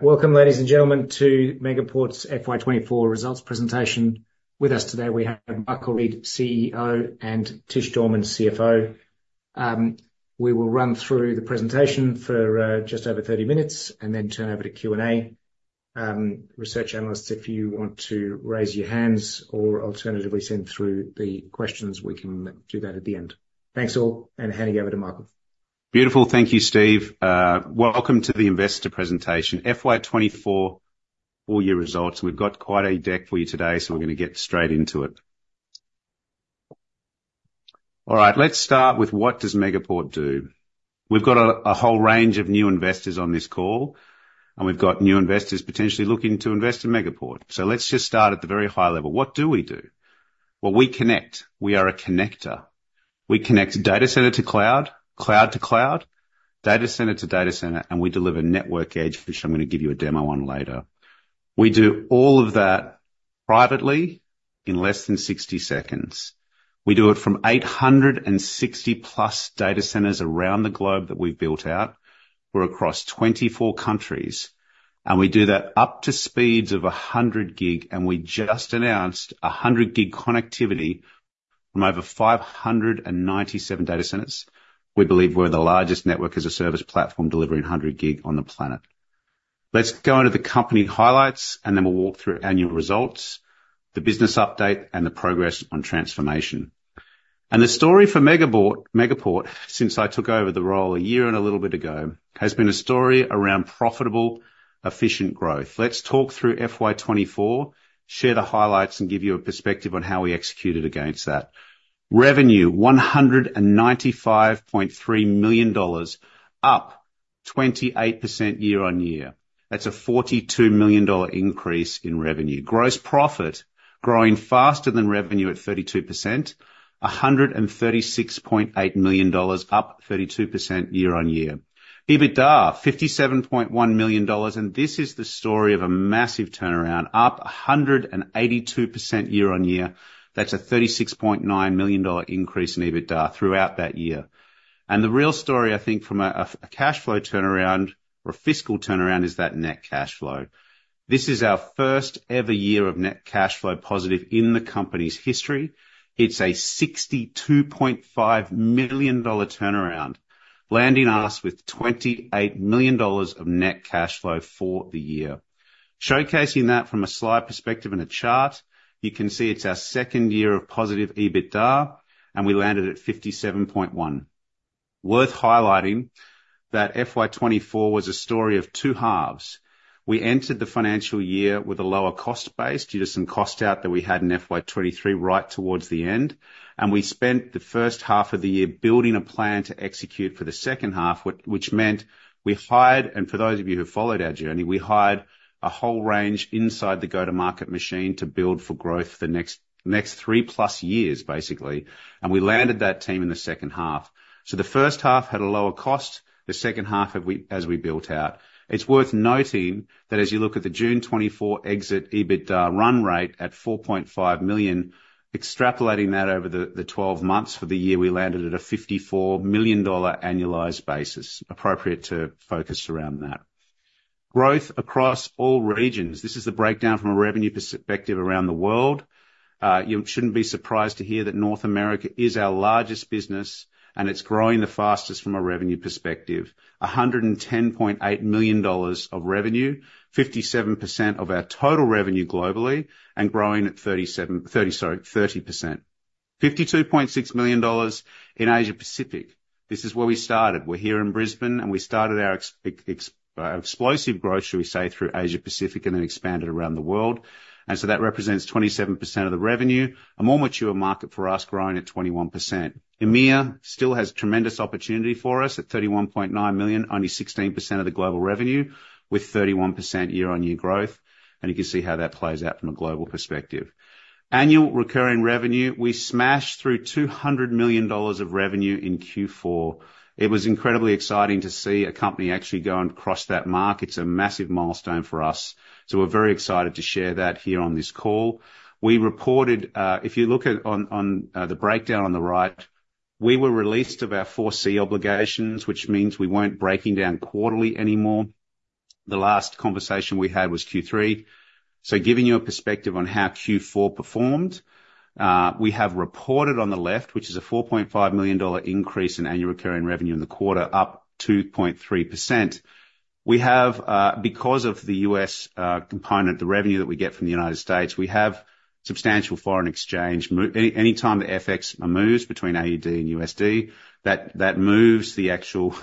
...Welcome, ladies and gentlemen, to Megaport's FY24 Results Presentation. With us today, we have Michael Reid, CEO, and Tish Dorman, CFO. We will run through the presentation for just over thirty minutes, and then turn over to Q&A. Research analysts, if you want to raise your hands or alternatively send through the questions, we can do that at the end. Thanks, all, and handing over to Michael. Beautiful. Thank you, Steve. Welcome to the investor presentation, FY24 full year results. We've got quite a deck for you today, so we're gonna get straight into it. All right, let's start with: what does Megaport do? We've got a whole range of new investors on this call, and we've got new investors potentially looking to invest in Megaport. So let's just start at the very high level. What do we do? Well, we connect. We are a connector. We connect data center to cloud, cloud to cloud, data center to data center, and we deliver network edge, which I'm gonna give you a demo on later. We do all of that privately in less than 60 seconds. We do it from 860 plus data centers around the globe that we've built out. We're across 24 countries, and we do that up to speeds of 100 gig, and we just announced 100 gig connectivity from over 597 data centers. We believe we're the largest network as a service platform, delivering 100 gig on the planet. Let's go into the company highlights, and then we'll walk through annual results, the business update, and the progress on transformation. The story for Megaport, Megaport, since I took over the role a year and a little bit ago, has been a story around profitable, efficient growth. Let's talk through FY 2024, share the highlights, and give you a perspective on how we executed against that. Revenue $195.3 million, up 28% year-on-year. That's a $42 million increase in revenue. Gross profit, growing faster than revenue at 32%, $136.8 million, up 32% year-on-year. EBITDA, $57.1 million, and this is the story of a massive turnaround, up 182% year-on-year. That's a $36.9 million increase in EBITDA throughout that year. And the real story, I think, from a cash flow turnaround or a fiscal turnaround is that net cash flow. This is our first ever year of net cash flow positive in the company's history. It's a $62.5 million turnaround, landing us with $28 million of net cash flow for the year. Showcasing that from a slide perspective in a chart, you can see it's our second year of positive EBITDA, and we landed at 57.1. Worth highlighting that FY24 was a story of two halves. We entered the financial year with a lower cost base due to some cost out that we had in FY23, right towards the end, and we spent the first half of the year building a plan to execute for the second half, which meant we hired a whole range inside the go-to-market machine to build for growth the next three-plus years, basically, and we landed that team in the second half. So the first half had a lower cost, the second half as we built out. It's worth noting that as you look at the June 2024 exit EBITDA run rate at $4.5 million, extrapolating that over the twelve months for the year, we landed at a $54 million annualized basis, appropriate to focus around that. Growth across all regions. This is the breakdown from a revenue perspective around the world. You shouldn't be surprised to hear that North America is our largest business, and it's growing the fastest from a revenue perspective. $110.8 million of revenue, 57% of our total revenue globally, and growing at 37, 30, sorry, 30%. $52.6 million in Asia Pacific. This is where we started. We're here in Brisbane, and we started our explosive growth, shall we say, through Asia Pacific and then expanded around the world. And so that represents 27% of the revenue, a more mature market for us, growing at 21%. EMEA still has tremendous opportunity for us at $31.9 million, only 16% of the global revenue, with 31% year-on-year growth, and you can see how that plays out from a global perspective. Annual recurring revenue, we smashed through $200 million of revenue in Q4. It was incredibly exciting to see a company actually go and cross that mark. It's a massive milestone for us, so we're very excited to share that here on this call. We reported, if you look at, on, the breakdown on the right, we were released of our 4C obligations, which means we weren't breaking down quarterly anymore. The last conversation we had was Q3. Giving you a perspective on how Q4 performed, we have reported on the left, which is an 4.5 million dollar increase in annual recurring revenue in the quarter, up 2.3%. We have, because of the U.S. component, the revenue that we get from the United States, we have substantial foreign exchange movement. Any time the FX moves between AUD and USD, that moves the actual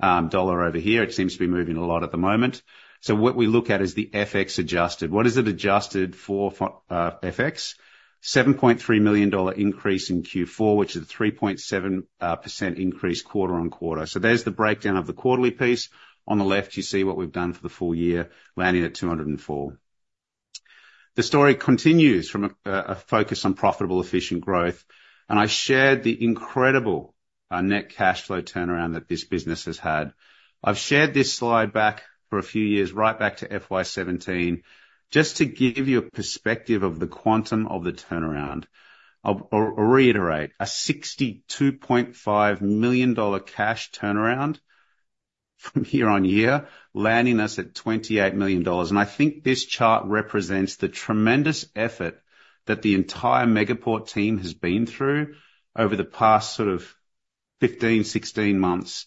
dollar over here. It seems to be moving a lot at the moment. So what we look at is the FX adjusted. What is it adjusted for FX? An 7.3 million dollar increase in Q4, which is a 3.7% increase quarter on quarter. So there's the breakdown of the quarterly piece. On the left, you see what we've done for the full year, landing at 204. The story continues from a focus on profitable, efficient growth, and I shared the incredible net cash flow turnaround that this business has had. I've shared this slide back for a few years, right back to FY 2017, just to give you a perspective of the quantum of the turnaround. I'll reiterate, a $62.5 million cash turnaround from year on year, landing us at $28 million. I think this chart represents the tremendous effort that the entire Megaport team has been through over the past sort of fifteen, sixteen months,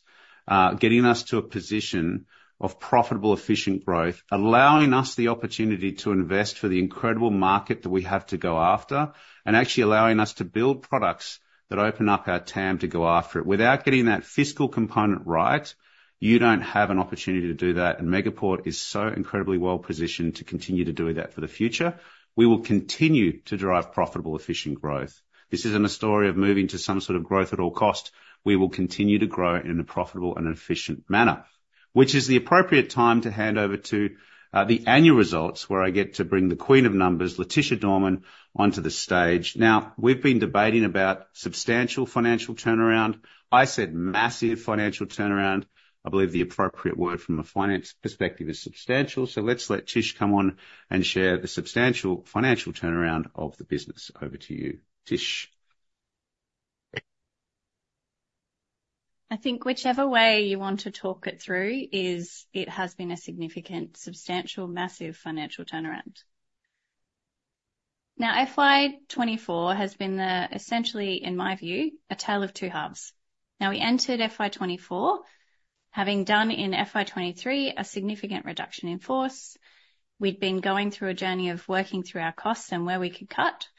getting us to a position of profitable, efficient growth. Allowing us the opportunity to invest for the incredible market that we have to go after, and actually allowing us to build products that open up our TAM to go after it. Without getting that fiscal component right, you don't have an opportunity to do that, and Megaport is so incredibly well positioned to continue to do that for the future. We will continue to drive profitable, efficient growth. This isn't a story of moving to some sort of growth at all cost. We will continue to grow in a profitable and efficient manner. Which is the appropriate time to hand over to the annual results, where I get to bring the queen of numbers, Leticia Dorman, onto the stage. Now, we've been debating about substantial financial turnaround. I said massive financial turnaround. I believe the appropriate word from a finance perspective is substantial. So let's let Tish come on and share the substantial financial turnaround of the business. Over to you, Tish. I think whichever way you want to talk it through is, it has been a significant, substantial, massive financial turnaround. Now, FY24 has been the essentially, in my view, a tale of two halves. Now, we entered FY24, having done in FY23 a significant reduction in force. We'd been going through a journey of working through our costs and where we could cut,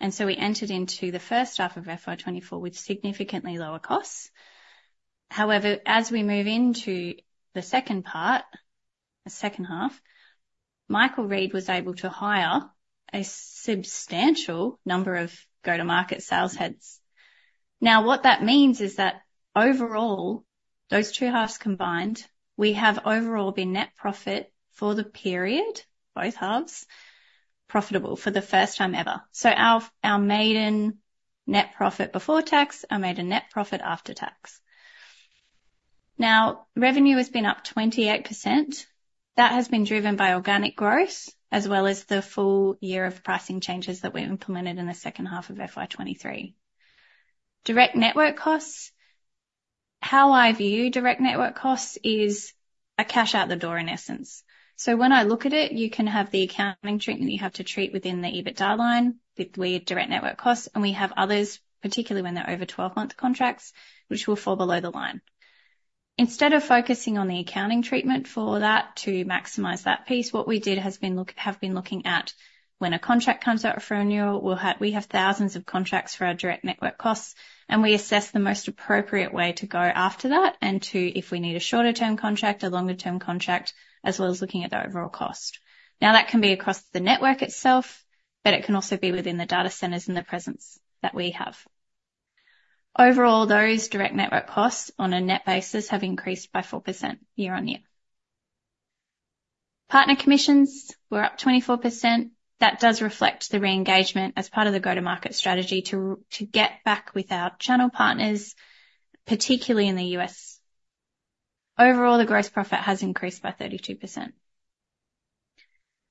and so we entered into the first half of FY24 with significantly lower costs. However, as we move into the second part, the second half, Michael Reid was able to hire a substantial number of go-to-market sales heads. Now, what that means is that overall, those two halves combined, we have overall been net profit for the period, both halves, profitable for the first time ever. So our, our maiden net profit before tax, our maiden net profit after tax. Now, revenue has been up 28%. That has been driven by organic growth, as well as the full year of pricing changes that we implemented in the second half of FY 2023. Direct network costs. How I view direct network costs is a cash out the door, in essence. So when I look at it, you can have the accounting treatment you have to treat within the EBITDA line with our direct network costs, and we have others, particularly when they're over 12-month contracts, which will fall below the line. Instead of focusing on the accounting treatment for that to maximize that piece, what we have been looking at when a contract comes out for renewal. We have thousands of contracts for our direct network costs, and we assess the most appropriate way to go after that and to, if we need a shorter-term contract, a longer-term contract, as well as looking at the overall cost. Now, that can be across the network itself, but it can also be within the data centers and the presence that we have. Overall, those direct network costs on a net basis have increased by 4% year on year. Partner commissions were up 24%. That does reflect the re-engagement as part of the go-to-market strategy to get back with our channel partners, particularly in the U.S. Overall, the gross profit has increased by 32%.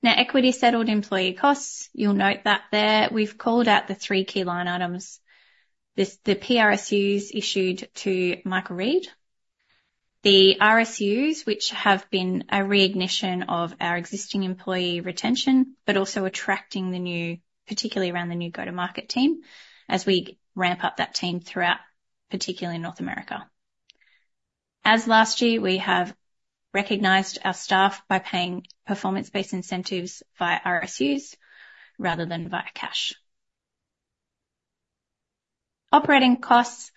Now, equity-settled employee costs, you'll note that there we've called out the three key line items. This, the PRSUs issued to Michael Reid, the RSUs, which have been a reignition of our existing employee retention, but also attracting the new... particularly around the new go-to-market team, as we ramp up that team throughout, particularly in North America. As last year, we have recognized our staff by paying performance-based incentives via RSUs rather than via cash. Operating costs.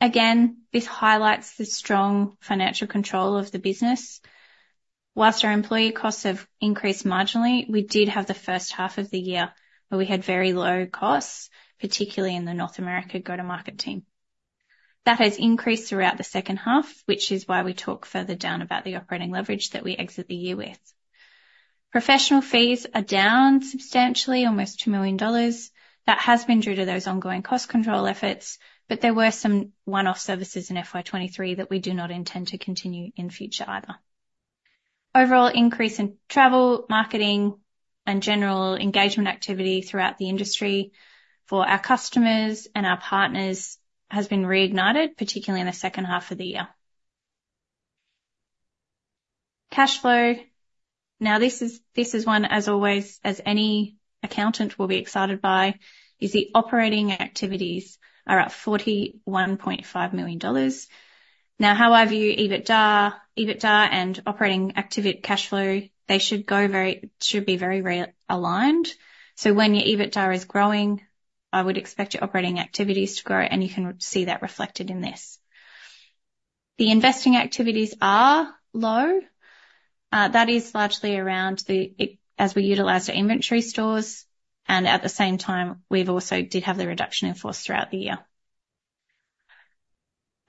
Again, this highlights the strong financial control of the business. While our employee costs have increased marginally, we did have the first half of the year where we had very low costs, particularly in the North America go-to-market team. That has increased throughout the second half, which is why we talk further down about the operating leverage that we exit the year with. Professional fees are down substantially, almost 2 million dollars. That has been due to those ongoing cost control efforts, but there were some one-off services in FY 2023 that we do not intend to continue in future either. The overall increase in travel, marketing, and general engagement activity throughout the industry for our customers and our partners has been reignited, particularly in the second half of the year. Cash flow. Now, this is one, as always, as any accountant will be excited by. The operating activities are up 41.5 million dollars. Now, how I view EBITDA, EBITDA and operating activity cash flow, they should be very closely aligned. So when your EBITDA is growing, I would expect your operating activities to grow, and you can see that reflected in this. The investing activities are low. That is largely around the inventory as we utilized our inventory stores, and at the same time, we've also did have the reduction in force throughout the year.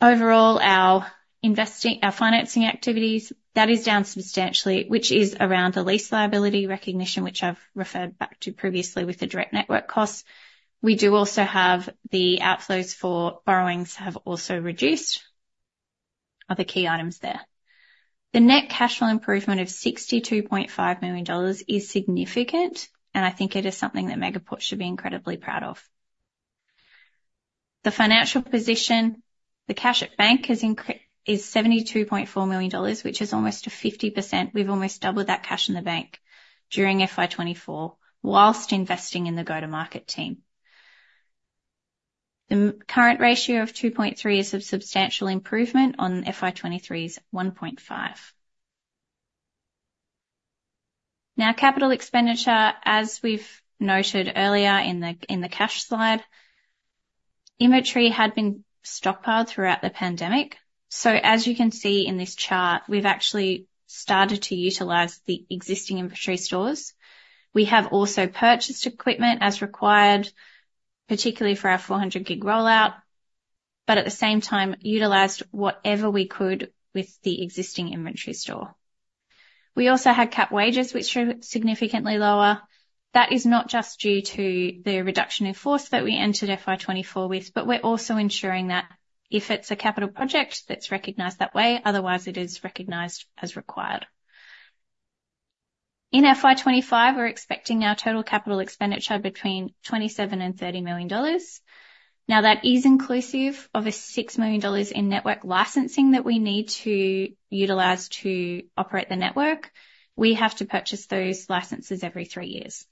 Overall, our investing, our financing activities, that is down substantially, which is around the lease liability recognition, which I've referred back to previously with the direct network costs. We do also have the outflows for borrowings have also reduced, are the key items there. The net cash flow improvement of 62.5 million dollars is significant, and I think it is something that Megaport should be incredibly proud of. The financial position, the cash at bank has increased to 72.4 million dollars, which is almost a 50%. We've almost doubled that cash in the bank during FY 2024 while investing in the go-to-market team. The current ratio of 2.3 is a substantial improvement on FY 2023's 1.5. Now, capital expenditure, as we've noted earlier in the cash slide, inventory had been stockpiled throughout the pandemic. So as you can see in this chart, we've actually started to utilize the existing inventory stores. We have also purchased equipment as required, particularly for our 400-gig rollout, but at the same time, utilized whatever we could with the existing inventory store. We also had CapEx, which is significantly lower. That is not just due to the reduction in force that we entered FY 2024 with, but we're also ensuring that if it's a capital project, that's recognized that way, otherwise it is recognized as required. In FY 2025, we're expecting our total capital expenditure between $27 and $30 million. Now, that is inclusive of 6 million dollars in network licensing that we need to utilize to operate the network. We have to purchase those licenses every three years.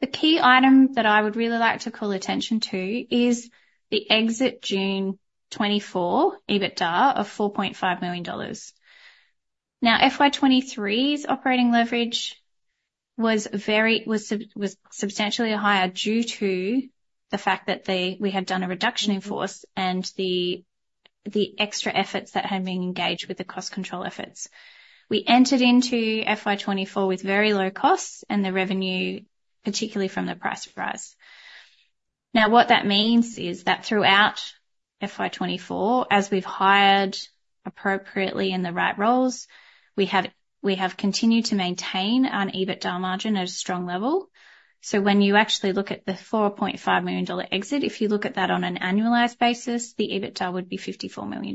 The key item that I would really like to call attention to is the exit June 2024 EBITDA of 4.5 million dollars. Now, FY 2023's operating leverage was very substantially higher due to the fact that we had done a reduction in force and the extra efforts that had been engaged with the cost control efforts. We entered into FY 2024 with very low costs and the revenue, particularly from the price rise. Now, what that means is that throughout FY 2024, as we've hired appropriately in the right roles, we have continued to maintain an EBITDA margin at a strong level. When you actually look at the $4.5 million exit, if you look at that on an annualized basis, the EBITDA would be $54 million.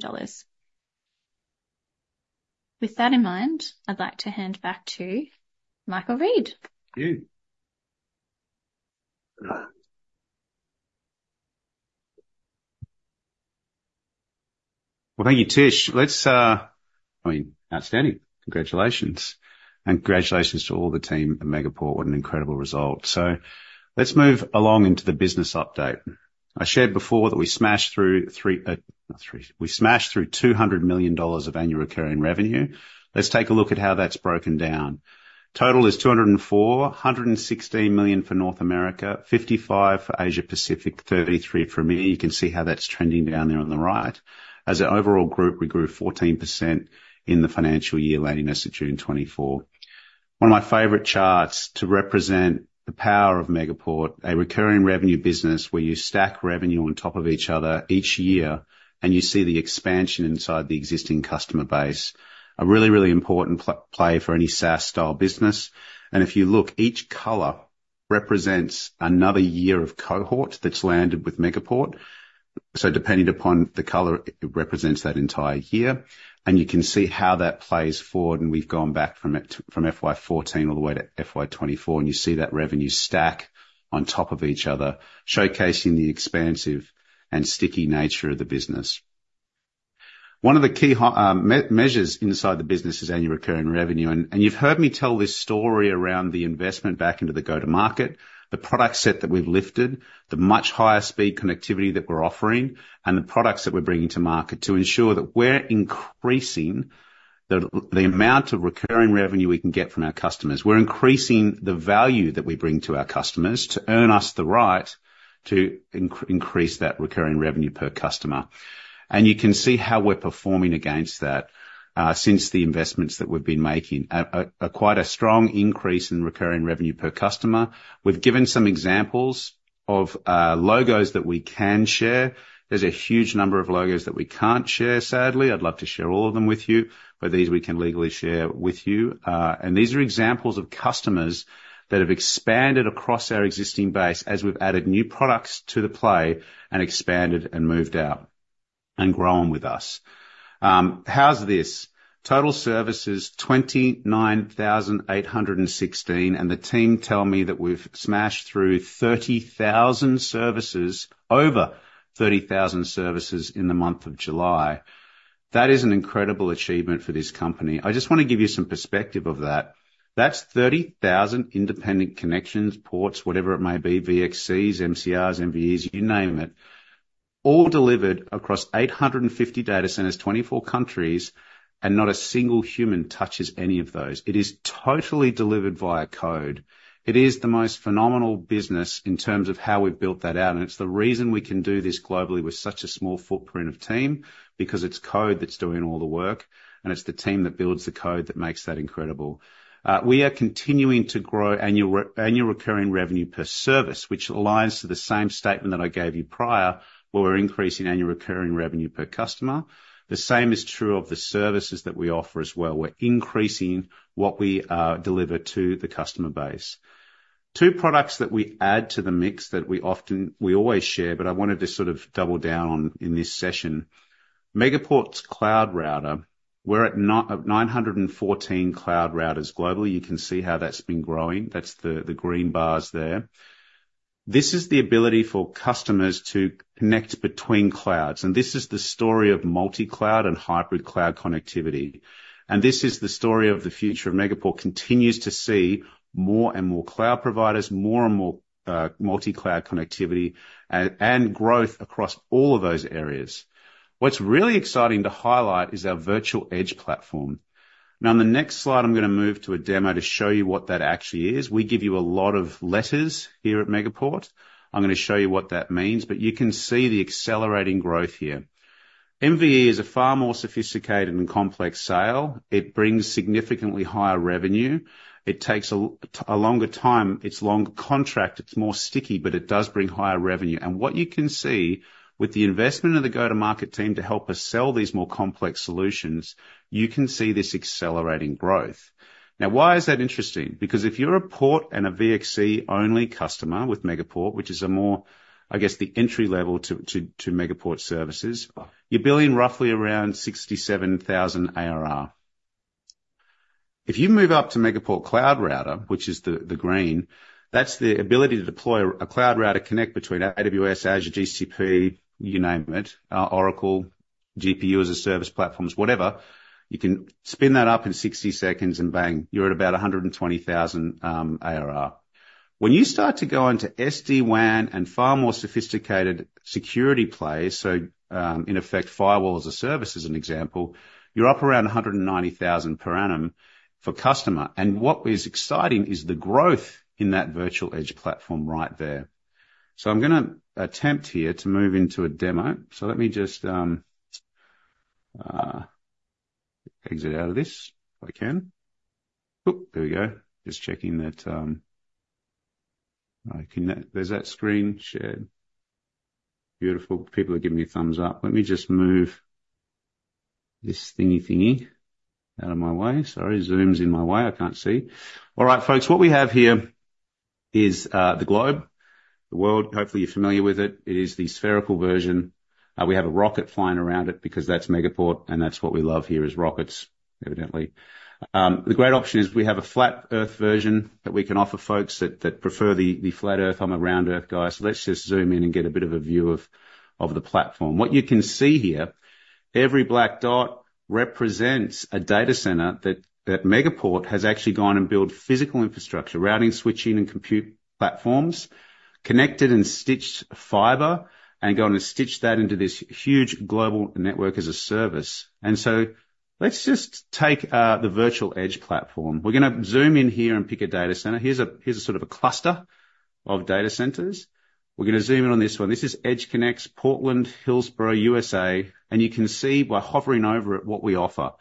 With that in mind, I'd like to hand back to Michael Reid. Thank you. Well, thank you, Tish. Let's, I mean, outstanding. Congratulations, and congratulations to all the team at Megaport. What an incredible result! So let's move along into the business update. I shared before that we smashed through $200 million of annual recurring revenue. Let's take a look at how that's broken down. Total is $244.16 million for North America, $55 million for Asia Pacific, $33 million for EMEA. You can see how that's trending down there on the right. As an overall group, we grew 14% in the financial year ending June 2024. One of my favorite charts to represent the power of Megaport, a recurring revenue business, where you stack revenue on top of each other each year, and you see the expansion inside the existing customer base. A really, really important play for any SaaS-style business, and if you look, each color represents another year of cohort that's landed with Megaport, so depending upon the color, it represents that entire year, and you can see how that plays forward, and we've gone back from it, from FY 2014 all the way to FY 2024, and you see that revenue stack on top of each other, showcasing the expansive and sticky nature of the business. One of the key measures inside the business is annual recurring revenue, and you've heard me tell this story around the investment back into the go-to-market, the product set that we've lifted, the much higher speed connectivity that we're offering, and the products that we're bringing to market to ensure that we're increasing the amount of recurring revenue we can get from our customers. We're increasing the value that we bring to our customers to earn us the right to increase that recurring revenue per customer. And you can see how we're performing against that, since the investments that we've been making. Quite a strong increase in recurring revenue per customer. We've given some examples of logos that we can share. There's a huge number of logos that we can't share, sadly. I'd love to share all of them with you, but these we can legally share with you. And these are examples of customers that have expanded across our existing base as we've added new products to the platform and expanded and moved out and grown with us. How's this? Total services, 29,816 and the team tell me that we've smashed through thirty thousand services, over thirty thousand services in the month of July. That is an incredible achievement for this company. I just want to give you some perspective of that. That's thirty thousand independent connections, ports, whatever it may be, VXCs, MCRs, MVEs, you name it, all delivered across 850 data centers, 24 countries, and not a single human touches any of those. It is totally delivered via code. It is the most phenomenal business in terms of how we've built that out, and it's the reason we can do this globally with such a small footprint of team, because it's code that's doing all the work, and it's the team that builds the code that makes that incredible. We are continuing to grow annual recurring revenue per service, which aligns to the same statement that I gave you prior, where we're increasing annual recurring revenue per customer. The same is true of the services that we offer as well. We're increasing what we deliver to the customer base. Two products that we add to the mix that we always share, but I wanted to sort of double down on in this session. Megaport's Cloud Router. We're at 914 cloud routers globally. You can see how that's been growing. That's the green bars there. This is the ability for customers to connect between clouds, and this is the story of multi-cloud and hybrid cloud connectivity. This is the story of the future, and Megaport continues to see more and more cloud providers, more and more multi-cloud connectivity, and growth across all of those areas. What's really exciting to highlight is our Virtual Edge platform. Now, on the next slide, I'm gonna move to a demo to show you what that actually is. We give you a lot of letters here at Megaport. I'm gonna show you what that means, but you can see the accelerating growth here. MVE is a far more sophisticated and complex sale. It brings significantly higher revenue. It takes a longer time. It's long contract, it's more sticky, but it does bring higher revenue. And what you can see, with the investment of the go-to-market team to help us sell these more complex solutions, you can see this accelerating growth. Now, why is that interesting? Because if you're a port and a VXC-only customer with Megaport, which is a more, I guess, the entry level to Megaport services, you're billing roughly around 67,000 ARR. If you move up to Megaport Cloud Router, which is the green, that's the ability to deploy a cloud router connect between AWS, Azure, GCP, you name it, Oracle, GPU-as-a-service platforms, whatever, you can spin that up in 60 seconds, and bang, you're at about 120,000 ARR. When you start to go into SD-WAN and far more sophisticated security plays, so in effect, Firewall-as-a-Service, as an example, you're up around 190,000 per annum for customer. What is exciting is the growth in that Virtual Edge platform right there. I'm gonna attempt here to move into a demo. So let me just exit out of this, if I can. Oop, there we go! Just checking that... All right. There's that screen shared. Beautiful. People are giving me a thumbs up. Let me just move this thingy thingy out of my way. Sorry, Zoom's in my way, I can't see. All right, folks, what we have here is the globe, the world. Hopefully, you're familiar with it. It is the spherical version. We have a rocket flying around it because that's Megaport, and that's what we love here, is rockets, evidently. The great option is we have a flat Earth version that we can offer folks that prefer the flat Earth. I'm a round Earth guy. So let's just zoom in and get a bit of a view of the platform. What you can see here, every black dot represents a data center that Megaport has actually gone and built physical infrastructure, routing, switching, and compute platforms, connected and stitched fiber, and gone and stitched that into this huge global network as a service. So let's just take the Virtual Edge platform. We're gonna zoom in here and pick a data center. Here's a sort of a cluster of data centers. We're gonna zoom in on this one. This is EdgeConneX, Portland, Hillsboro, USA, and you can see by hovering over it what we offer.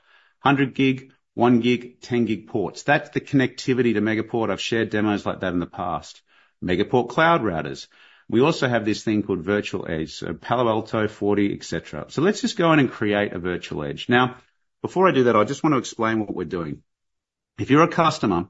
100-gig, 1-gig, 10-gig ports. That's the connectivity to Megaport. I've shared demos like that in the past. Megaport cloud routers. We also have this thing called Virtual Edge, so Palo Alto, Forti, et cetera. So let's just go in and create a Virtual Edge. Now, before I do that, I just want to explain what we're doing. If you're a customer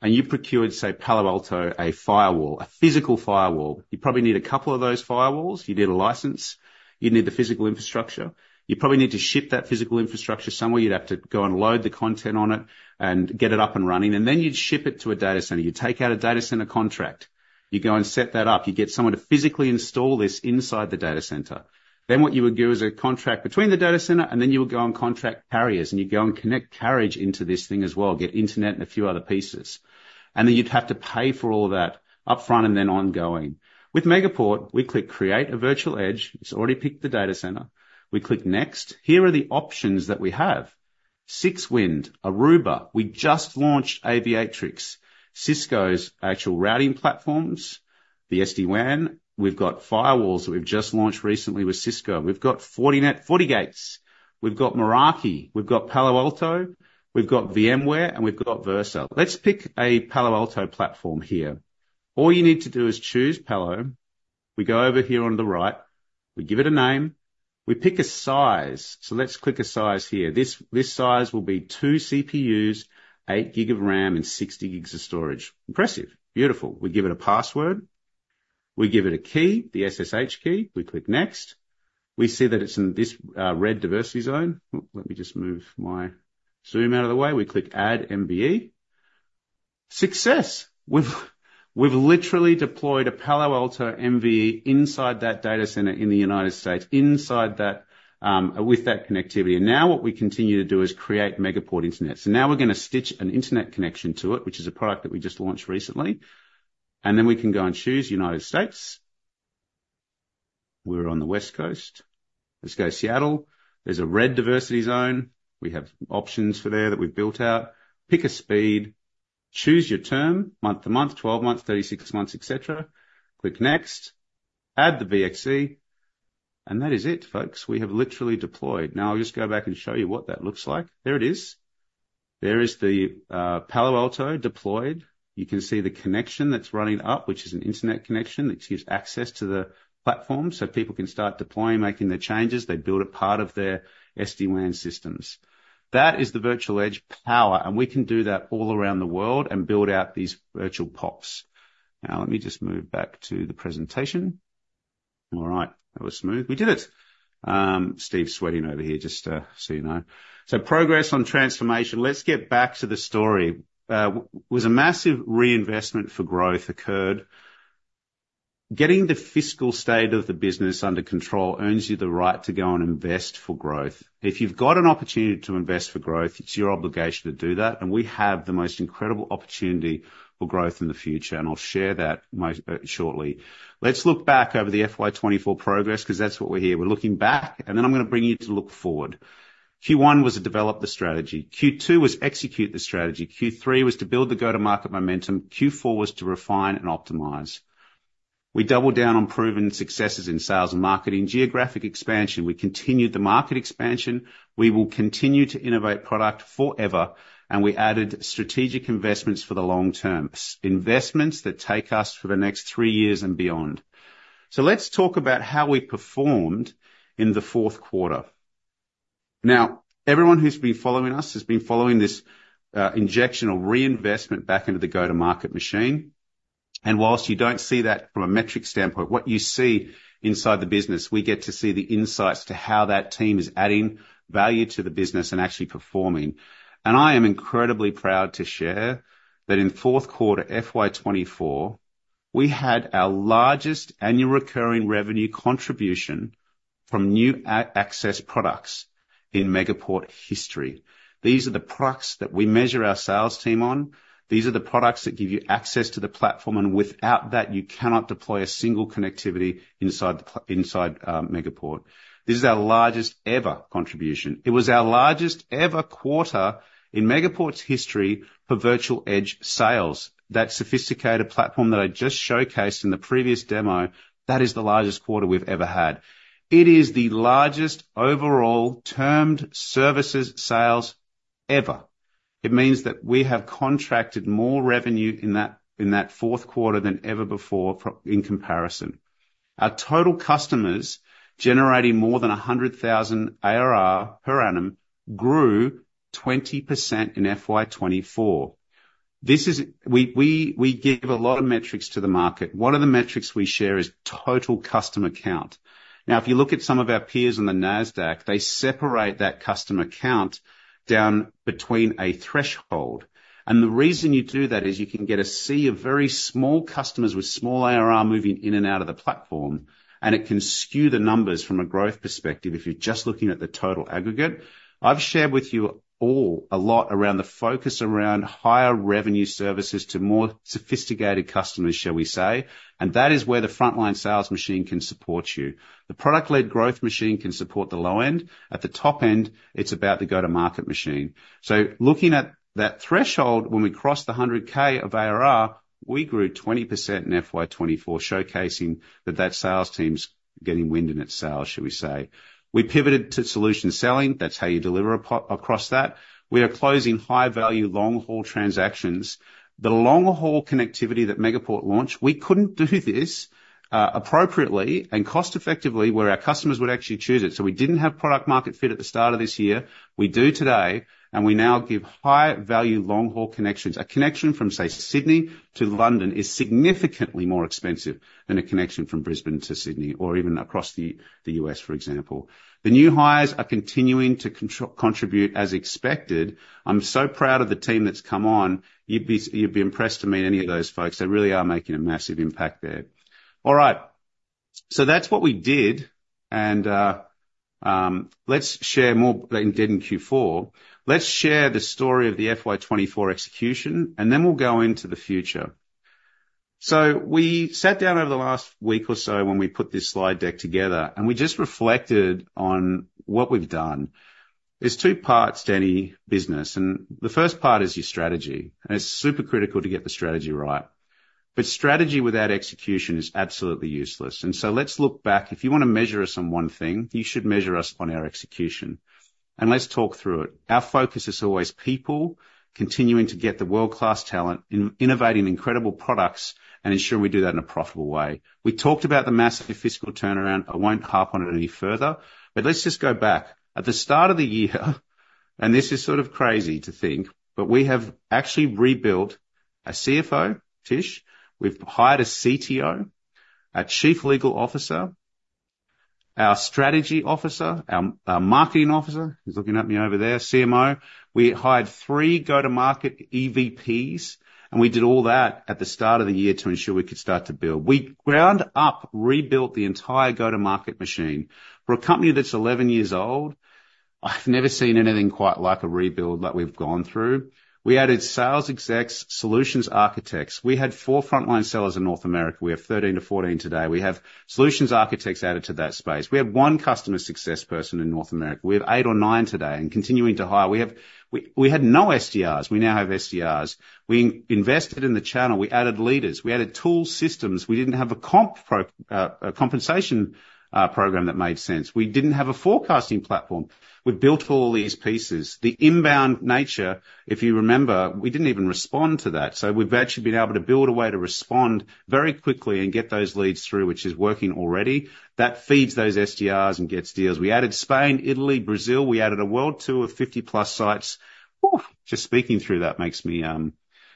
and you procured, say, Palo Alto, a firewall, a physical firewall, you probably need a couple of those firewalls. You'd need a license. You'd need the physical infrastructure. You'd probably need to ship that physical infrastructure somewhere. You'd have to go and load the content on it and get it up and running, and then you'd ship it to a data center. You'd take out a data center contract. You go and set that up. You get someone to physically install this inside the data center. Then what you would do is a contract between the data center, and then you would go and contract carriers, and you'd go and connect carriage into this thing as well, get internet and a few other pieces. Then you'd have to pay for all that upfront and then ongoing. With Megaport, we click Create a Virtual Edge. It's already picked the data center. We click Next. Here are the options that we have: 6WIND, Aruba. We just launched Aviatrix, Cisco's actual routing platforms, the SD-WAN. We've got firewalls that we've just launched recently with Cisco. We've got Fortinet FortiGates. We've got Meraki. We've got Palo Alto. We've got VMware, and we've got Versa. Let's pick a Palo Alto platform here. All you need to do is choose Palo. We go over here on the right. We give it a name. We pick a size. So let's click a size here. This size will be two CPUs, eight gig of RAM, and sixty gigs of storage. Impressive. Beautiful. We give it a password. We give it a key, the SSH key. We click Next. We see that it's in this red diversity zone. Ooh, let me just move my zoom out of the way. We click Add MVE. Success! We've literally deployed a Palo Alto MVE inside that data center in the United States, inside that with that connectivity. Now what we continue to do is create Megaport Internet. So now we're gonna stitch an internet connection to it, which is a product that we just launched recently, and then we can go and choose United States. We're on the West Coast. Let's go Seattle. There's a red diversity zone. We have options for there that we've built out. Pick a speed, choose your term, month-to-month, twelve months, thirty-six months, et cetera. Click Next, add the VXC, and that is it, folks. We have literally deployed. Now, I'll just go back and show you what that looks like. There it is. There is the Palo Alto deployed. You can see the connection that's running up, which is an internet connection, which gives access to the platform so people can start deploying, making the changes. They build a part of their SD-WAN systems. That is the Virtual Edge power, and we can do that all around the world and build out these virtual POPs. Now, let me just move back to the presentation. All right, that was smooth. We did it! Steve's sweating over here, just so you know. So progress on transformation. Let's get back to the story. A massive reinvestment for growth occurred. Getting the fiscal state of the business under control earns you the right to go and invest for growth. If you've got an opportunity to invest for growth, it's your obligation to do that, and we have the most incredible opportunity for growth in the future, and I'll share that shortly. Let's look back over the FY 2024 progress, 'cause that's what we're here. We're looking back, and then I'm gonna bring you to look forward. Q1 was to develop the strategy, Q2 was execute the strategy, Q3 was to build the go-to-market momentum, Q4 was to refine and optimize. We doubled down on proven successes in sales and marketing. Geographic expansion, we continued the market expansion, we will continue to innovate product forever, and we added strategic investments for the long term, investments that take us for the next three years and beyond. So let's talk about how we performed in the Q4. Now, everyone who's been following us has been following this injection or reinvestment back into the go-to-market machine, and whilst you don't see that from a metric standpoint, what you see inside the business. We get to see the insights to how that team is adding value to the business and actually performing. I am incredibly proud to share that in Q4, FY 2024, we had our largest annual recurring revenue contribution from new access products in Megaport history. These are the products that we measure our sales team on. These are the products that give you access to the platform, and without that, you cannot deploy a single connectivity inside Megaport. This is our largest ever contribution. It was our largest ever quarter in Megaport's history for Virtual Edge sales. That sophisticated platform that I just showcased in the previous demo, that is the largest quarter we've ever had. It is the largest overall termed services sales ever. It means that we have contracted more revenue in that, in that Q4 than ever before in comparison. Our total customers, generating more than 100,000 ARR per annum, grew 20% in FY24. This is we give a lot of metrics to the market. One of the metrics we share is total customer count. Now, if you look at some of our peers in the Nasdaq, they separate that customer count down between a threshold, and the reason you do that is you can get a sea of very small customers with small ARR moving in and out of the platform, and it can skew the numbers from a growth perspective if you're just looking at the total aggregate. I've shared with you all a lot around the focus around higher revenue services to more sophisticated customers, shall we say, and that is where the frontline sales machine can support you. The product-led growth machine can support the low end. At the top end, it's about the go-to-market machine. So looking at that threshold, when we crossed the 100K of ARR, we grew 20% in FY 2024, showcasing that that sales team's getting wind in its sails, shall we say. We pivoted to solution selling. That's how you deliver across that. We are closing high-value, long-haul transactions. The long-haul connectivity that Megaport launched, we couldn't do this appropriately and cost-effectively, where our customers would actually choose it. So we didn't have product market fit at the start of this year. We do today, and we now give high-value, long-haul connections. A connection from, say, Sydney to London is significantly more expensive than a connection from Brisbane to Sydney or even across the US, for example. The new hires are continuing to contribute as expected. I'm so proud of the team that's come on. You'd be impressed to meet any of those folks. They really are making a massive impact there. All right. So that's what we did, and let's share more than did in Q4. Let's share the story of the FY24 execution, and then we'll go into the future. So we sat down over the last week or so when we put this slide deck together, and we just reflected on what we've done. There's two parts to any business, and the first part is your strategy, and it's super critical to get the strategy right. But strategy without execution is absolutely useless, and so let's look back. If you want to measure us on one thing, you should measure us on our execution, and let's talk through it. Our focus is always people, continuing to get the world-class talent, innovating incredible products, and ensuring we do that in a profitable way. We talked about the massive fiscal turnaround. I won't harp on it any further, but let's just go back. At the start of the year, and this is sort of crazy to think, but we have actually rebuilt a CFO, Tish, we've hired a CTO, a Chief Legal Officer, our Strategy Officer, our, our Marketing Officer, he's looking at me over there, CMO. We hired three go-to-market EVPs, and we did all that at the start of the year to ensure we could start to build. We ground up, rebuilt the entire go-to-market machine. For a company that's 11 years old, I've never seen anything quite like a rebuild that we've gone through. We added sales execs, solutions architects. We had four frontline sellers in North America. We have 13-14 today. We have solutions architects added to that space. We have one customer success person in North America. We have eight or nine today and continuing to hire. We had no SDRs. We now have SDRs. We invested in the channel. We added leaders. We added tool systems. We didn't have a compensation program that made sense. We didn't have a forecasting platform. We built all these pieces. The inbound nature, if you remember, we didn't even respond to that, so we've actually been able to build a way to respond very quickly and get those leads through, which is working already. That feeds those SDRs and gets deals. We added Spain, Italy, Brazil. We added a world tour of fifty-plus sites. Ooh! Just speaking through that makes me,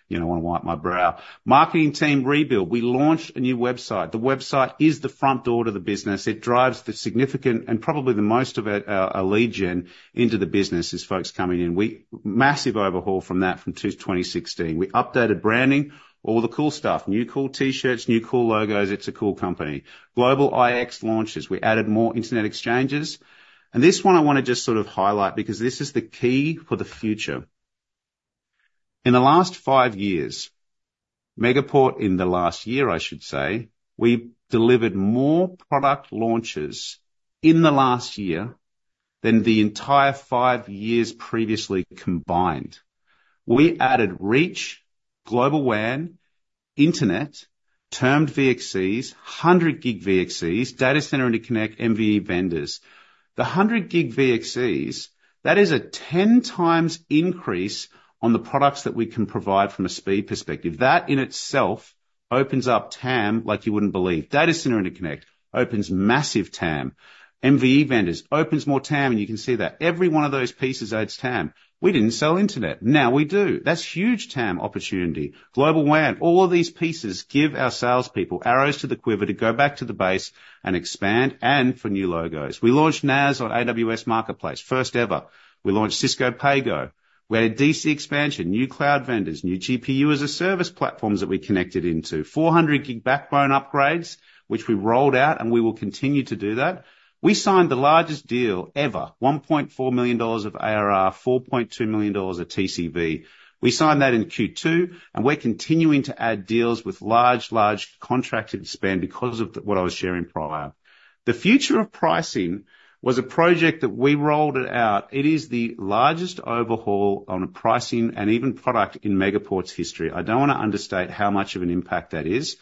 you know, want to wipe my brow. Marketing team rebuild. We launched a new website. The website is the front door to the business. It drives the significant and probably the most of it, our lead gen into the business as folks coming in. We had a massive overhaul from 2016. We updated branding, all the cool stuff, new cool T-shirts, new cool logos. It's a cool company. Global IX launches. We added more internet exchanges, and this one I want to just sort of highlight, because this is the key for the future. In the last five years, Megaport, in the last year, I should say, we've delivered more product launches in the last year than the entire five years previously combined. We added Reach, Global WAN, Internet, 10G VXCs, 100-gig VXCs, Data Center Interconnect, MVE vendors. The 100-gig VXCs, that is a 10 times increase on the products that we can provide from a speed perspective. That, in itself, opens up TAM like you wouldn't believe. Data center interconnect opens massive TAM. MVE vendors opens more TAM, and you can see that every one of those pieces adds TAM. We didn't sell internet, now we do. That's huge TAM opportunity. Global WAN, all of these pieces give our salespeople arrows to the quiver to go back to the base and expand, and for new logos. We launched NaaS on AWS Marketplace, first ever. We launched Cisco PAYGO. We had a DC expansion, new cloud vendors, new GPU as a service platforms that we connected into, 400-gig backbone upgrades, which we rolled out, and we will continue to do that. We signed the largest deal ever, $1.4 million of ARR, $4.2 million of TCV. We signed that in Q2, and we're continuing to add deals with large, large contracted spend because of the what I was sharing prior. The future of pricing was a project that we rolled it out. It is the largest overhaul on a pricing and even product in Megaport's history. I don't want to understate how much of an impact that is.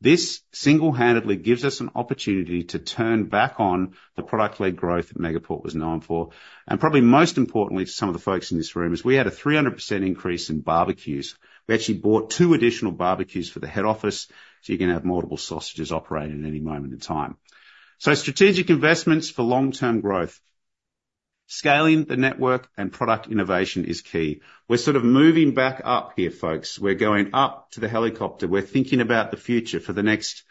This single-handedly gives us an opportunity to turn back on the product-led growth that Megaport was known for, and probably most importantly to some of the folks in this room, is we had a 300% increase in barbecues. We actually bought two additional barbecues for the head office, so you can have multiple sausages operating at any moment in time. So strategic investments for long-term growth. Scaling the network and product innovation is key. We're sort of moving back up here, folks. We're going up to the helicopter. We're thinking about the future for the next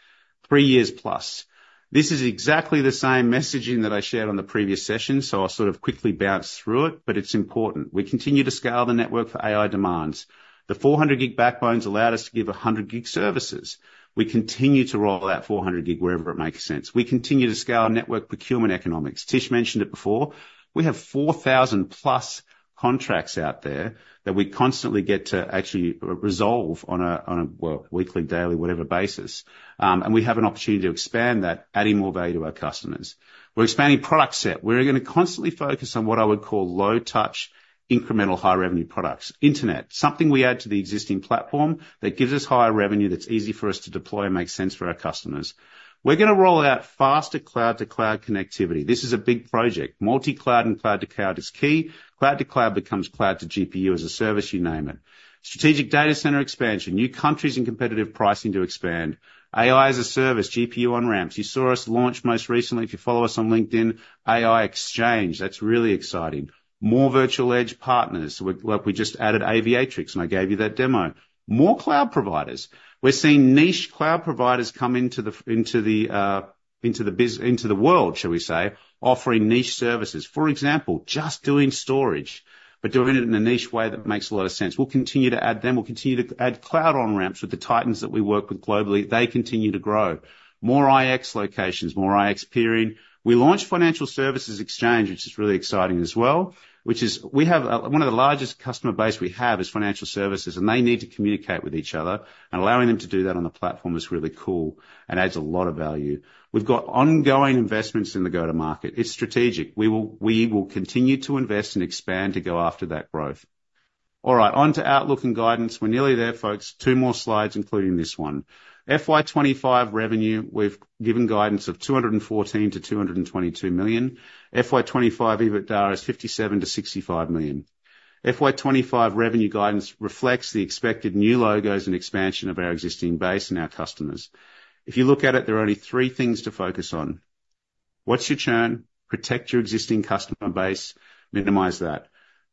three years plus. This is exactly the same messaging that I shared on the previous session, so I'll sort of quickly bounce through it, but it's important. We continue to scale the network for AI demands. The 400-gig backbones allowed us to give 100-gig services. We continue to roll out 400-gig wherever it makes sense. We continue to scale our network procurement economics. Tish mentioned it before, we have 4,000-plus contracts out there that we constantly get to actually resolve on a weekly, daily, whatever basis, and we have an opportunity to expand that, adding more value to our customers. We're expanding product set. We're gonna constantly focus on what I would call low touch, incremental, high revenue products, internet, something we add to the existing platform that gives us higher revenue, that's easy for us to deploy and makes sense for our customers. We're gonna roll out faster cloud-to-cloud connectivity. This is a big project. Multi-cloud and cloud-to-cloud is key. Cloud-to-cloud becomes cloud to GPU as a service, you name it. Strategic data center expansion, new countries and competitive pricing to expand. AI as a service, GPU on-ramps. You saw us launch most recently, if you follow us on LinkedIn, AI Exchange. That's really exciting. More Virtual Edge partners. We like, we just added Aviatrix, and I gave you that demo. More cloud providers. We're seeing niche cloud providers come into the world, shall we say, offering niche services. For example, just doing storage, but doing it in a niche way that makes a lot of sense. We'll continue to add them. We'll continue to add cloud on-ramps with the titans that we work with globally. They continue to grow. More IX locations, more IX peering. We launched Financial Services Exchange, which is really exciting as well, which is. We have one of the largest customer base we have is financial services, and they need to communicate with each other, and allowing them to do that on the platform is really cool and adds a lot of value. We've got ongoing investments in the go-to-market. It's strategic. We will, we will continue to invest and expand to go after that growth. All right, on to outlook and guidance. We're nearly there, folks. Two more slides, including this one. FY 2025 revenue, we've given guidance of $214 million-$222 million. FY 2025 EBITDA is $57 million-$65 million. FY 2025 revenue guidance reflects the expected new logos and expansion of our existing base and our customers. If you look at it, there are only three things to focus on: What's your churn? Protect your existing customer base, minimize that.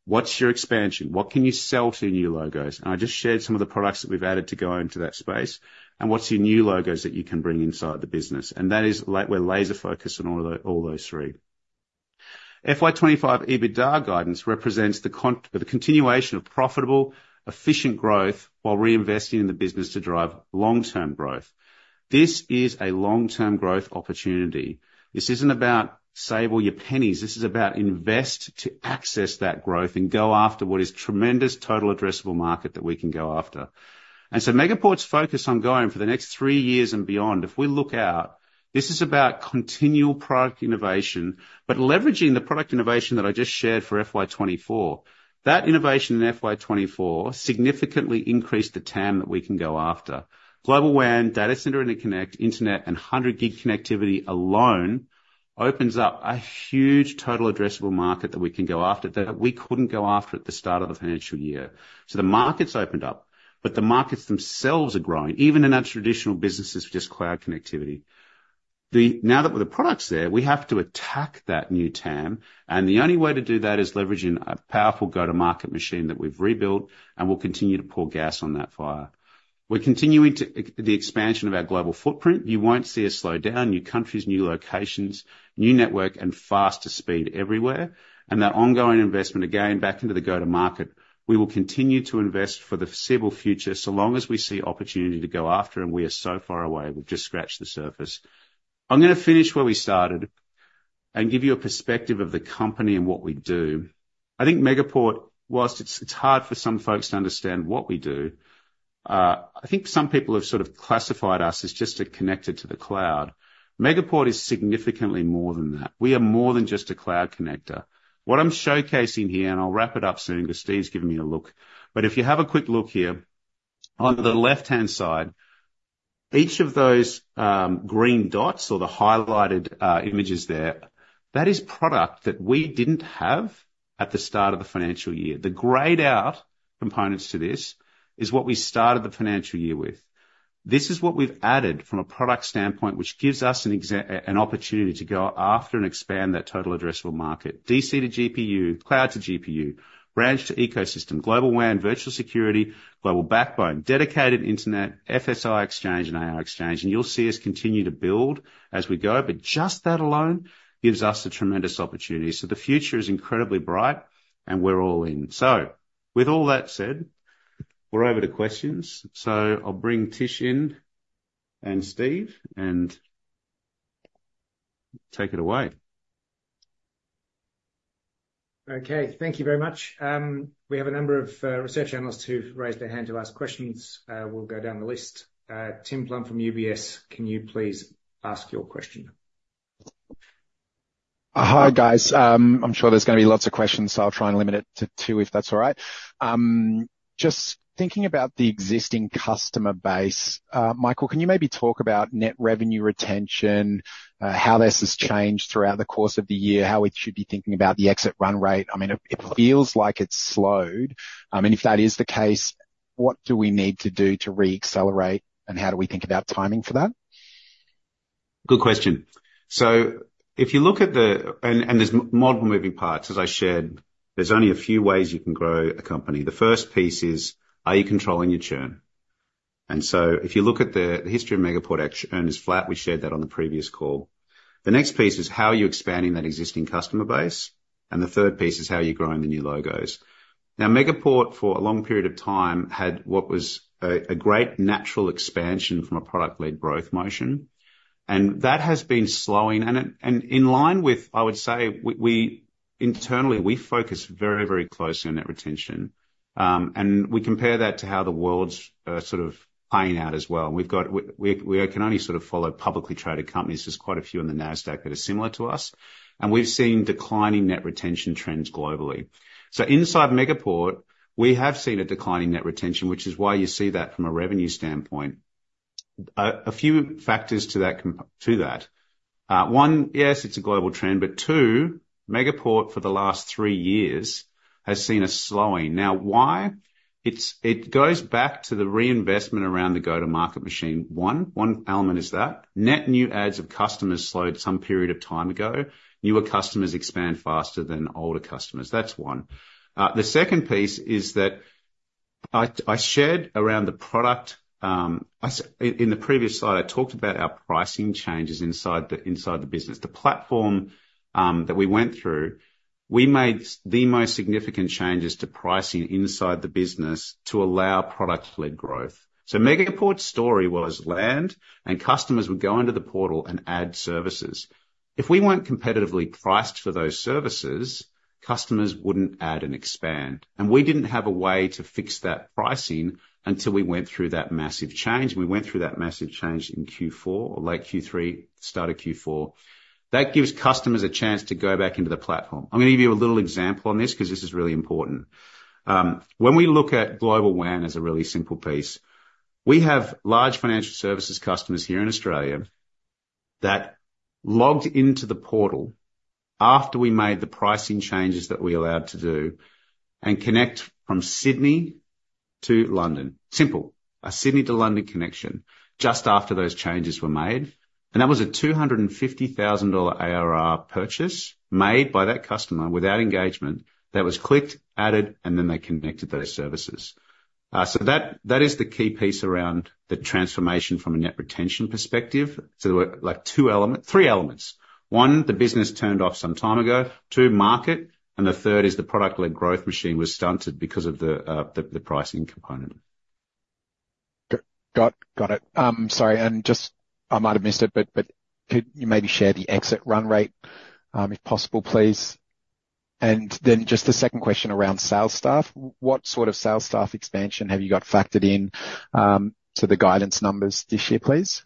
What's your expansion? What can you sell to new logos? And I just shared some of the products that we've added to go into that space. And what's your new logos that you can bring inside the business? And that is. We're laser focused on all those three. FY 2025 EBITDA guidance represents the continuation of profitable, efficient growth while reinvesting in the business to drive long-term growth. This is a long-term growth opportunity. This isn't about save all your pennies, this is about invest to access that growth and go after what is tremendous total addressable market that we can go after. Megaport's focus on going for the next three years and beyond, if we look out, this is about continual product innovation, but leveraging the product innovation that I just shared for FY 2024. That innovation in FY 2024 significantly increased the TAM that we can go after. Global WAN, Data Center Interconnect, internet, and 100-gig connectivity alone opens up a huge total addressable market that we can go after, that we couldn't go after at the start of the financial year. The market's opened up, but the markets themselves are growing, even in our traditional businesses, just cloud connectivity. Now that, with the products there, we have to attack that new TAM, and the only way to do that is leveraging a powerful go-to-market machine that we've rebuilt and will continue to pour gas on that fire. We're continuing the expansion of our global footprint. You won't see us slow down. New countries, new locations, new network, and faster speed everywhere, and that ongoing investment, again, back into the go-to-market. We will continue to invest for the foreseeable future, so long as we see opportunity to go after, and we are so far away. We've just scratched the surface. I'm gonna finish where we started and give you a perspective of the company and what we do. I think Megaport, whilst it's hard for some folks to understand what we do, I think some people have sort of classified us as just a connector to the cloud. Megaport is significantly more than that. We are more than just a cloud connector. What I'm showcasing here, and I'll wrap it up soon, because Steve's giving me a look, but if you have a quick look here, on the left-hand side, each of those green dots or the highlighted images there, that is product that we didn't have at the start of the financial year. The grayed out components to this is what we started the financial year with. This is what we've added from a product standpoint, which gives us an opportunity to go after and expand that total addressable market. DC to GPU, cloud to GPU, branch to ecosystem, Global WAN, virtual security, global backbone, dedicated internet, FSI Exchange, and AI Exchange, and you'll see us continue to build as we go, but just that alone gives us a tremendous opportunity, so the future is incredibly bright, and we're all in, so with all that said, we're over to questions, so I'll bring Tish in, and Steve, and take it away. Okay, thank you very much. We have a number of research analysts who've raised their hand to ask questions. We'll go down the list. Tim Plumbe from UBS, can you please ask your question? Hi, guys. I'm sure there's gonna be lots of questions, so I'll try and limit it to two, if that's all right. Just thinking about the existing customer base, Michael, can you maybe talk about net revenue retention, how this has changed throughout the course of the year, how we should be thinking about the exit run rate? I mean, it feels like it's slowed, and if that is the case, what do we need to do to re-accelerate, and how do we think about timing for that? Good question. So if you look at the and there are moving parts, as I shared. There are only a few ways you can grow a company. The first piece is: are you controlling your churn? So if you look at the history of Megaport, actually, earnings flat. We shared that on the previous call. The next piece is: how are you expanding that existing customer base? The third piece is: how are you growing the new logos? Now, Megaport, for a long period of time, had what was a great natural expansion from a product-led growth motion, and that has been slowing. It and in line with, I would say, we internally focus very, very closely on net retention. We compare that to how the world's sort of playing out as well. We've got we can only sort of follow publicly traded companies. There's quite a few on the Nasdaq that are similar to us, and we've seen declining net retention trends globally, so inside Megaport, we have seen a decline in net retention, which is why you see that from a revenue standpoint. A few factors to that. One, yes, it's a global trend, but two, Megaport, for the last three years, has seen a slowing. Now, why? It goes back to the reinvestment around the go-to-market machine, one. One element is that. Net new adds of customers slowed some period of time ago. Newer customers expand faster than older customers. That's one. The second piece is that I shared around the product. In the previous slide, I talked about our pricing changes inside the business. The platform that we went through, we made the most significant changes to pricing inside the business to allow product-led growth. So Megaport's story was land, and customers would go into the portal and add services. If we weren't competitively priced for those services, customers wouldn't add and expand, and we didn't have a way to fix that pricing until we went through that massive change, and we went through that massive change in Q4 or late Q3, start of Q4. That gives customers a chance to go back into the platform. I'm going to give you a little example on this, because this is really important. When we look at Global WAN as a really simple piece, we have large financial services customers here in Australia that logged into the portal after we made the pricing changes that we were allowed to do, and connect from Sydney to London. Simple, a Sydney to London connection, just after those changes were made, and that was an 250,000 dollar ARR purchase made by that customer without engagement, that was clicked, added, and then they connected those services. So that is the key piece around the transformation from a net retention perspective. So there were, like, two elements, three elements. One, the business turned off some time ago. Two, market, and the third is the product-led growth machine was stunted because of the pricing component. Got it. Sorry, and just... I might have missed it, but could you maybe share the exit run rate, if possible, please? And then just the second question around sales staff. What sort of sales staff expansion have you got factored in to the guidance numbers this year, please?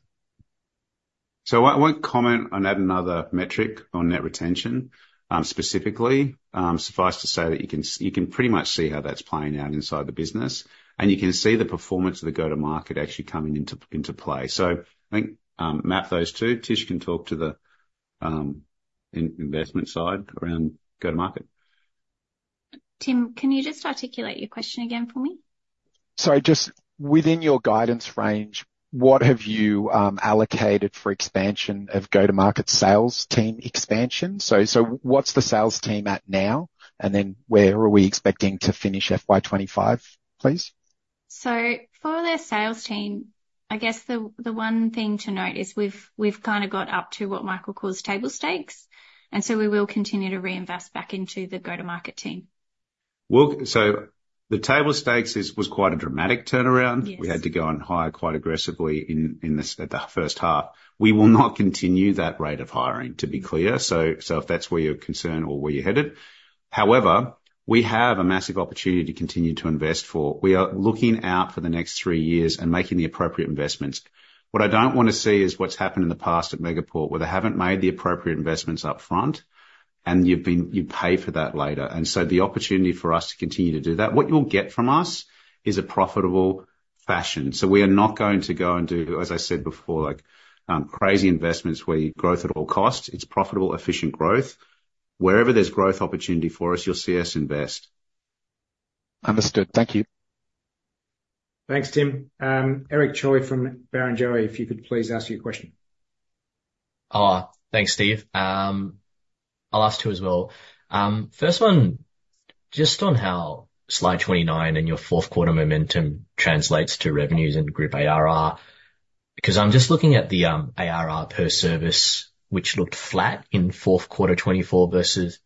So I won't comment on add another metric on net retention, specifically. Suffice to say that you can pretty much see how that's playing out inside the business, and you can see the performance of the go-to-market actually coming into play. So I think, map those two, Tish can talk to the investment side around go-to-market.... Tim, can you just articulate your question again for me? Sorry, just within your guidance range, what have you allocated for expansion of go-to-market sales team expansion? So, what's the sales team at now? And then where are we expecting to finish FY25, please? So for the sales team, I guess the one thing to note is we've kind of got up to what Michael calls table stakes, and so we will continue to reinvest back into the go-to-market team. The table stakes was quite a dramatic turnaround. Yes. We had to go and hire quite aggressively in this at the first half. We will not continue that rate of hiring, to be clear, so if that's where your concern or where you're headed. However, we have a massive opportunity to continue to invest for. We are looking out for the next three years and making the appropriate investments. What I don't want to see is what's happened in the past at Megaport, where they haven't made the appropriate investments up front, and you pay for that later, and so the opportunity for us to continue to do that, what you'll get from us is a profitable fashion. So we are not going to go and do, as I said before, like crazy investments, where growth at all costs. It's profitable, efficient growth. Wherever there's growth opportunity for us, you'll see us invest. Understood. Thank you. Thanks, Tim. Eric Choi from Barrenjoey, if you could please ask your question. Thanks, Steve. I'll ask two as well. First one, just on how slide 29 and your Q4 momentum translates to revenues and group ARR. Because I'm just looking at the ARR per service, which looked flat in Q4 2024 versus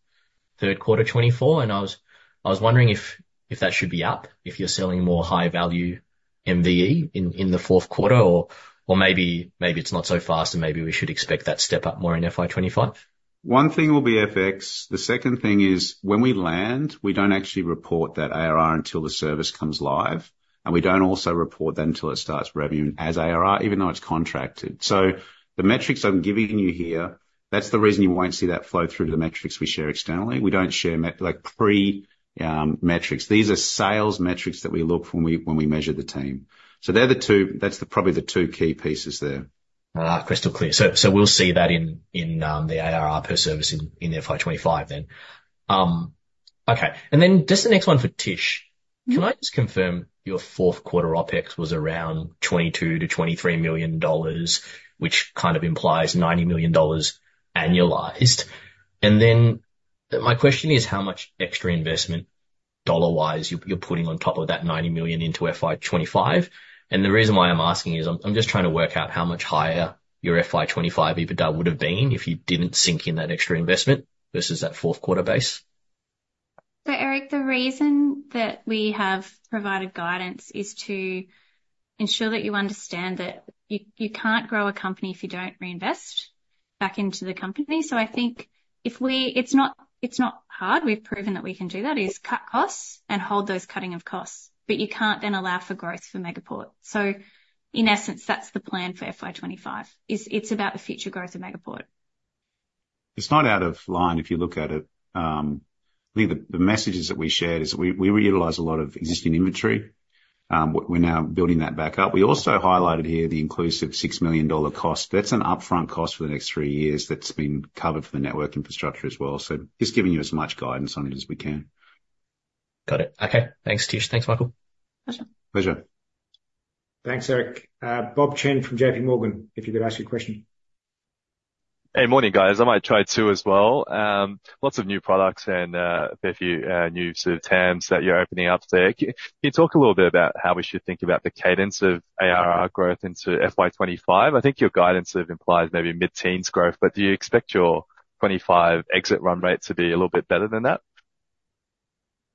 Q3 2024, and I was wondering if that should be up, if you're selling more high-value MVE in the Q4, or maybe it's not so fast and maybe we should expect that step up more in FY25. One thing will be FX. The second thing is, when we land, we don't actually report that ARR until the service comes live, and we don't also report that until it starts revenue as ARR, even though it's contracted. So the metrics I'm giving you here, that's the reason you won't see that flow through to the metrics we share externally. We don't share, like, pre-metrics. These are sales metrics that we look at when we measure the team. So they're the two. That's probably the two key pieces there. Ah, crystal clear. So we'll see that in the ARR per service in FY25 then. Okay, and then just the next one for Tish. Mm-hmm. Can I just confirm your Q4 OpEx was around $22 million-$23 million, which kind of implies $90 million annualized. And then my question is, how much extra investment, dollar-wise, you're putting on top of that $90 million into FY 2025? And the reason why I'm asking is I'm just trying to work out how much higher your FY 2025 EBITDA would have been if you didn't sink in that extra investment versus that Q4 base. So, Eric, the reason that we have provided guidance is to ensure that you understand that you can't grow a company if you don't reinvest back into the company. So I think it's not hard. We've proven that we can do that, is cut costs and hold those cutting of costs, but you can't then allow for growth for Megaport. So in essence, that's the plan for FY25, is it's about the future growth of Megaport. It's not out of line if you look at it. I think the messages that we shared is we reutilize a lot of existing inventory. We're now building that back up. We also highlighted here the inclusive 6 million dollar cost. That's an upfront cost for the next three years that's been covered for the network infrastructure as well. So just giving you as much guidance on it as we can. Got it. Okay. Thanks, Tish. Thanks, Michael. Pleasure. Pleasure. Thanks, Eric. Bob Chen from JP Morgan, if you could ask your question. Hey, morning, guys. I might try two as well. Lots of new products and, a fair few, new sort of TAMs that you're opening up there. Can you talk a little bit about how we should think about the cadence of ARR growth into FY25? I think your guidance sort of implies maybe mid-teens growth, but do you expect your 2025 exit run rate to be a little bit better than that?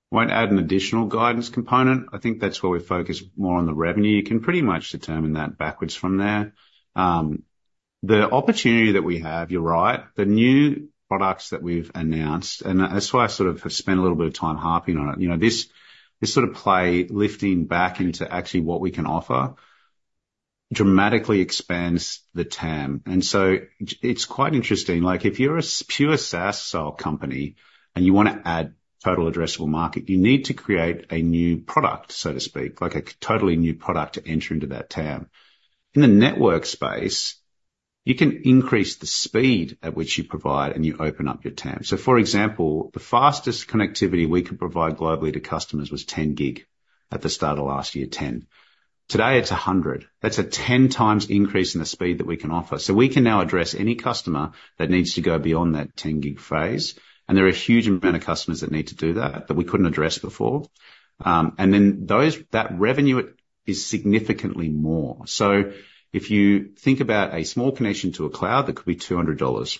Won't add an additional guidance component. I think that's where we focus more on the revenue. You can pretty much determine that backwards from there. The opportunity that we have, you're right, the new products that we've announced, and that's why I sort of have spent a little bit of time harping on it. You know, this, this sort of play lifting back into actually what we can offer dramatically expands the TAM. And so it's quite interesting, like, if you're a pure SaaS-style company and you want to add total addressable market, you need to create a new product, so to speak, like a totally new product to enter into that TAM. In the network space, you can increase the speed at which you provide, and you open up your TAM. For example, the fastest connectivity we could provide globally to customers was 10 gig at the start of last year, 10. Today, it's 100. That's a 10 times increase in the speed that we can offer. We can now address any customer that needs to go beyond that 10 gig phase, and there are a huge amount of customers that need to do that, that we couldn't address before. And then that revenue is significantly more. If you think about a small connection to a cloud, that could be $200.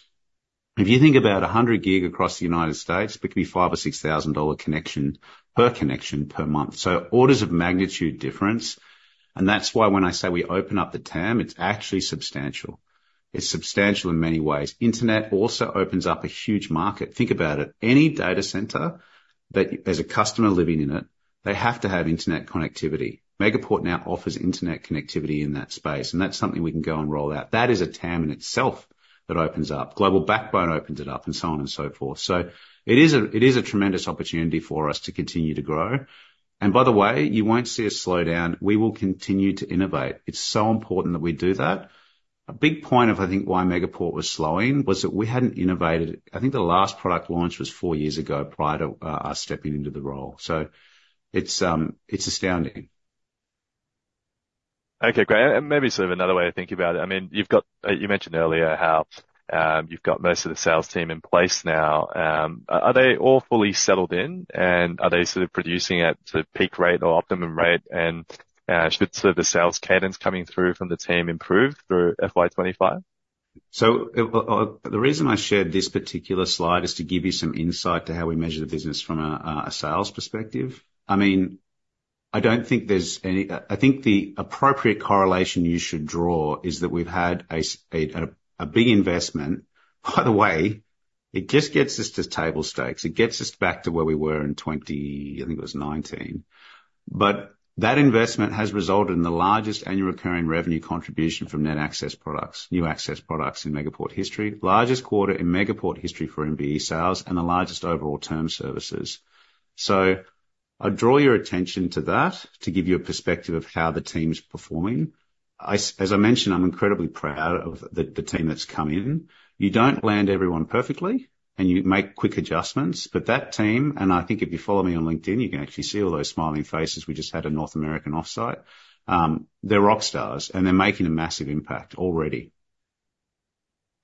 If you think about a 100 gig across the United States, it could be $5,000 or $6,000 dollar connection per connection, per month. Orders of magnitude difference, and that's why when I say we open up the TAM, it's actually substantial. It's substantial in many ways. Internet also opens up a huge market. Think about it. Any data center that there's a customer living in it, they have to have internet connectivity. Megaport now offers internet connectivity in that space, and that's something we can go and roll out. That is a TAM in itself that opens up. Global Backbone opens it up, and so on and so forth. So it is a, it is a tremendous opportunity for us to continue to grow. And by the way, you won't see us slow down. We will continue to innovate. It's so important that we do that. A big point of, I think, why Megaport was slowing, was that we hadn't innovated. I think the last product launch was four years ago, prior to us stepping into the role. So it's, it's astounding. Okay, great. And maybe sort of another way to think about it. I mean, you've got you mentioned earlier how you've got most of the sales team in place now. Are they all fully settled in, and are they sort of producing at sort of peak rate or optimum rate? And should sort of the sales cadence coming through from the team improve through FY 2025? So, well, the reason I shared this particular slide is to give you some insight to how we measure the business from a sales perspective. I mean, I don't think there's any. I think the appropriate correlation you should draw is that we've had a big investment. By the way, it just gets us to table stakes. It gets us back to where we were in 20... I think it was 2019. But that investment has resulted in the largest annual recurring revenue contribution from net new access products in Megaport history. Largest quarter in Megaport history for MVE sales, and the largest overall term services. So I'd draw your attention to that, to give you a perspective of how the team's performing. As I mentioned, I'm incredibly proud of the team that's come in. You don't land everyone perfectly, and you make quick adjustments, but that team, and I think if you follow me on LinkedIn, you can actually see all those smiling faces. We just had a North American offsite. They're rock stars, and they're making a massive impact already,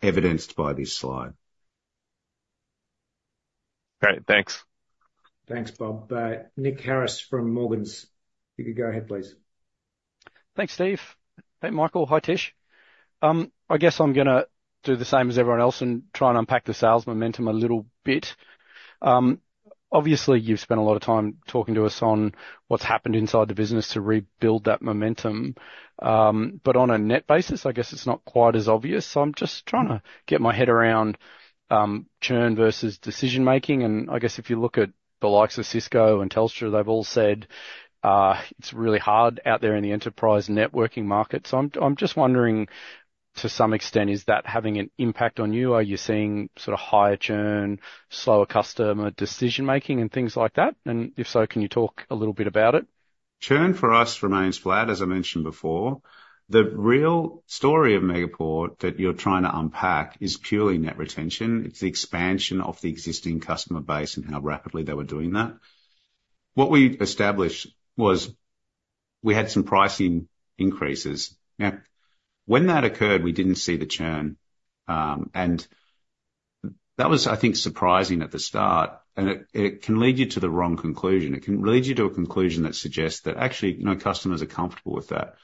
evidenced by this slide. Great. Thanks. Thanks, Bob. Nick Harris from Morgans, you can go ahead, please. Thanks, Steve. Hey, Michael. Hi, Tish. I guess I'm gonna do the same as everyone else and try and unpack the sales momentum a little bit. Obviously, you've spent a lot of time talking to us on what's happened inside the business to rebuild that momentum, but on a net basis, I guess it's not quite as obvious, so I'm just trying to get my head around churn versus decision making, and I guess if you look at the likes of Cisco and Telstra, they've all said it's really hard out there in the enterprise networking market, so I'm just wondering, to some extent, is that having an impact on you? Are you seeing sort of higher churn, slower customer decision-making and things like that? And if so, can you talk a little bit about it? Churn for us remains flat, as I mentioned before. The real story of Megaport that you're trying to unpack is purely net retention. It's the expansion of the existing customer base and how rapidly they were doing that. What we established was we had some pricing increases. Now, when that occurred, we didn't see the churn, and that was, I think, surprising at the start, and it can lead you to the wrong conclusion. It can lead you to a conclusion that suggests that actually, no customers are comfortable with that,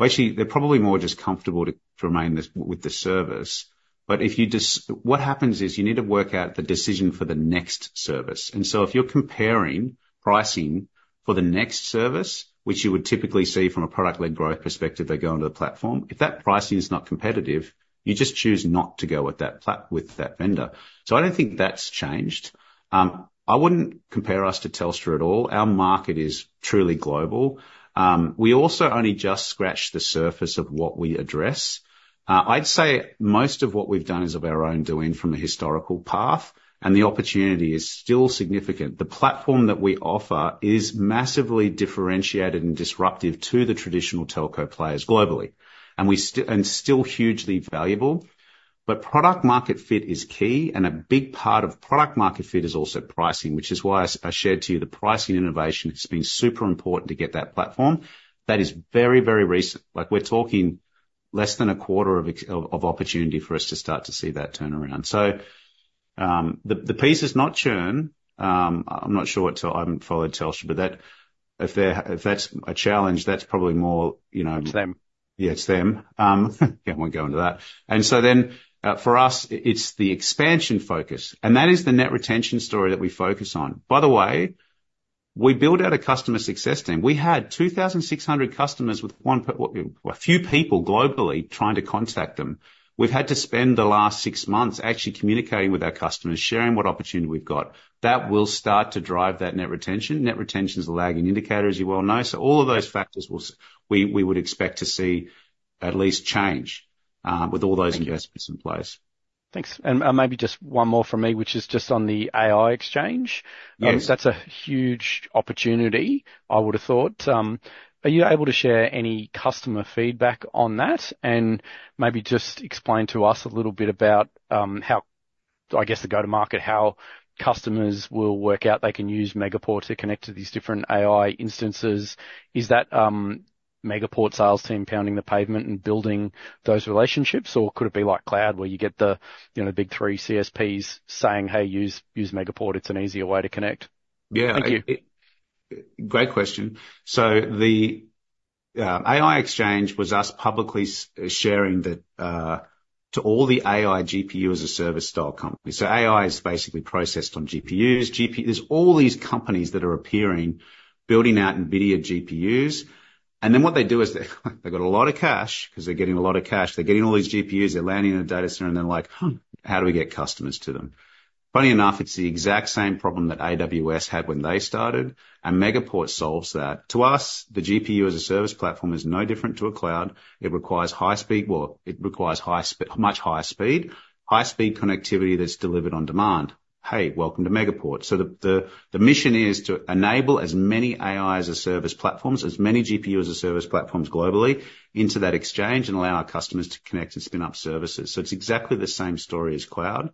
well, actually, they're probably more just comfortable to remain this, with the service, but if you just... what happens is, you need to work out the decision for the next service, and so if you're comparing pricing for the next service, which you would typically see from a product-led growth perspective, they're going to the platform. If that pricing is not competitive, you just choose not to go with that vendor. So I don't think that's changed. I wouldn't compare us to Telstra at all. Our market is truly global. We also only just scratched the surface of what we address. I'd say most of what we've done is of our own doing from a historical path, and the opportunity is still significant. The platform that we offer is massively differentiated and disruptive to the traditional telco players globally, and we still hugely valuable. But product market fit is key, and a big part of product market fit is also pricing, which is why I shared to you the pricing innovation. It's been super important to get that platform. That is very, very recent. Like, we're talking less than a quarter of opportunity for us to start to see that turnaround. So, the piece is not churn. I'm not sure what I haven't followed Telstra, but that, if that's a challenge, that's probably more, you know- It's them. Yeah, it's them. Yeah, I won't go into that, and so then, for us, it's the expansion focus, and that is the net retention story that we focus on. By the way, we built out a customer success team. We had 2,600 customers. Well, a few people globally trying to contact them. We've had to spend the last six months actually communicating with our customers, sharing what opportunity we've got. That will start to drive that net retention. Net retention is a lagging indicator, as you well know. So all of those factors will, we would expect to see at least change with all those investments in place. Thanks. And, maybe just one more from me, which is just on the AI Exchange. Yes. That's a huge opportunity, I would have thought. Are you able to share any customer feedback on that and maybe just explain to us a little bit about, I guess, the go-to-market, how customers will work out they can use Megaport to connect to these different AI instances. Is that, Megaport sales team pounding the pavement and building those relationships, or could it be like cloud, where you get the, you know, the big three CSPs saying, "Hey, use, use Megaport. It's an easier way to connect"? Yeah. Thank you. Great question. So the AI exchange was us publicly sharing that to all the AI GPU-as-a-service style company. So AI is basically processed on GPUs. There's all these companies that are appearing, building out NVIDIA GPUs, and then what they do is they, they've got a lot of cash, 'cause they're getting a lot of cash. They're getting all these GPUs, they're landing in a data center, and they're like, "Huh, how do we get customers to them?" Funny enough, it's the exact same problem that AWS had when they started, and Megaport solves that. To us, the GPU-as-a-service platform is no different to a cloud. It requires high speed. Well, it requires much higher speed, high speed connectivity that's delivered on demand. Hey, welcome to Megaport. So the mission is to enable as many AI-as-a-service platforms, as many GPU-as-a-service platforms globally into that exchange and allow our customers to connect and spin up services. So it's exactly the same story as cloud.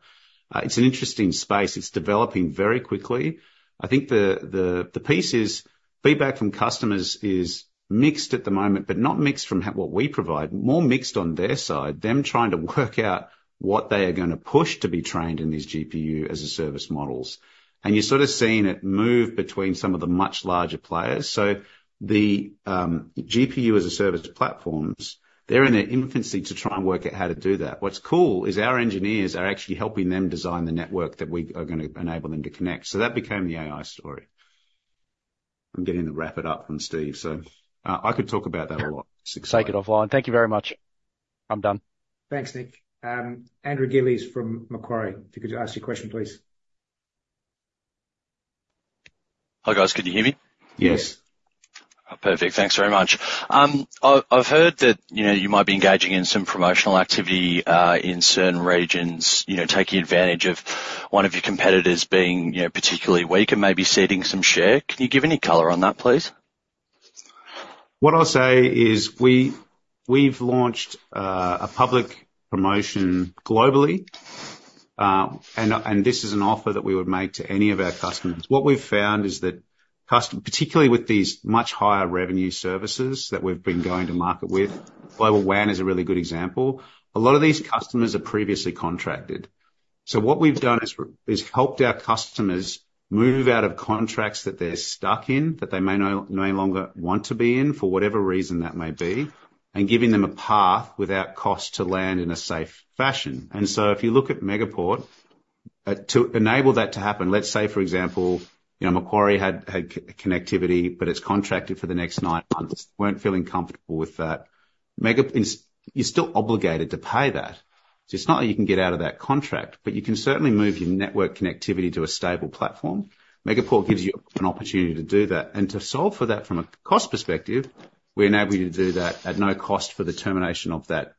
It's an interesting space. It's developing very quickly. I think the piece is, feedback from customers is mixed at the moment, but not mixed from what we provide, more mixed on their side, them trying to work out what they are gonna push to be trained in these GPU-as-a-service models. And you're sort of seeing it move between some of the much larger players. So the GPU-as-a-service platforms, they're in their infancy to try and work out how to do that. What's cool is our engineers are actually helping them design the network that we are gonna enable them to connect. So that became the AI story. I'm getting the wrap it up from Steve, so, I could talk about that a lot. Take it offline. Thank you very much. I'm done. Thanks, Nick. Andrew Gillies from Macquarie, if you could ask your question, please. Hi, guys. Can you hear me? Yes. Yes. Perfect. Thanks very much. I've heard that, you know, you might be engaging in some promotional activity in certain regions, you know, taking advantage of one of your competitors being, you know, particularly weak and maybe ceding some share. Can you give any color on that, please? What I'll say is we've launched a public promotion globally, and this is an offer that we would make to any of our customers. What we've found is that customers particularly with these much higher revenue services that we've been going to market with, Global WAN is a really good example, a lot of these customers are previously contracted. So what we've done is helped our customers move out of contracts that they're stuck in, that they may no longer want to be in, for whatever reason that may be, and giving them a path without cost to land in a safe fashion. And so if you look at Megaport to enable that to happen, let's say, for example, you know, Macquarie had connectivity, but it's contracted for the next nine months, weren't feeling comfortable with that. Megaport and so you're still obligated to pay that. So it's not that you can get out of that contract, but you can certainly move your network connectivity to a stable platform. Megaport gives you an opportunity to do that. And to solve for that from a cost perspective, we enable you to do that at no cost for the termination of that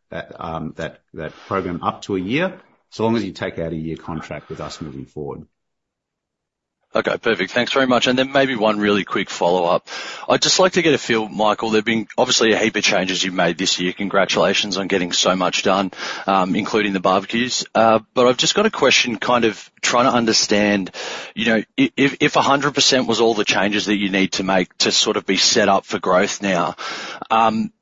program up to a year, so long as you take out a year contract with us moving forward. Okay, perfect. Thanks very much. And then maybe one really quick follow-up. I'd just like to get a feel, Michael, there've been obviously a heap of changes you've made this year. Congratulations on getting so much done, including the barbecues. But I've just got a question, kind of trying to understand, you know, if, if 100% was all the changes that you need to make to sort of be set up for growth now,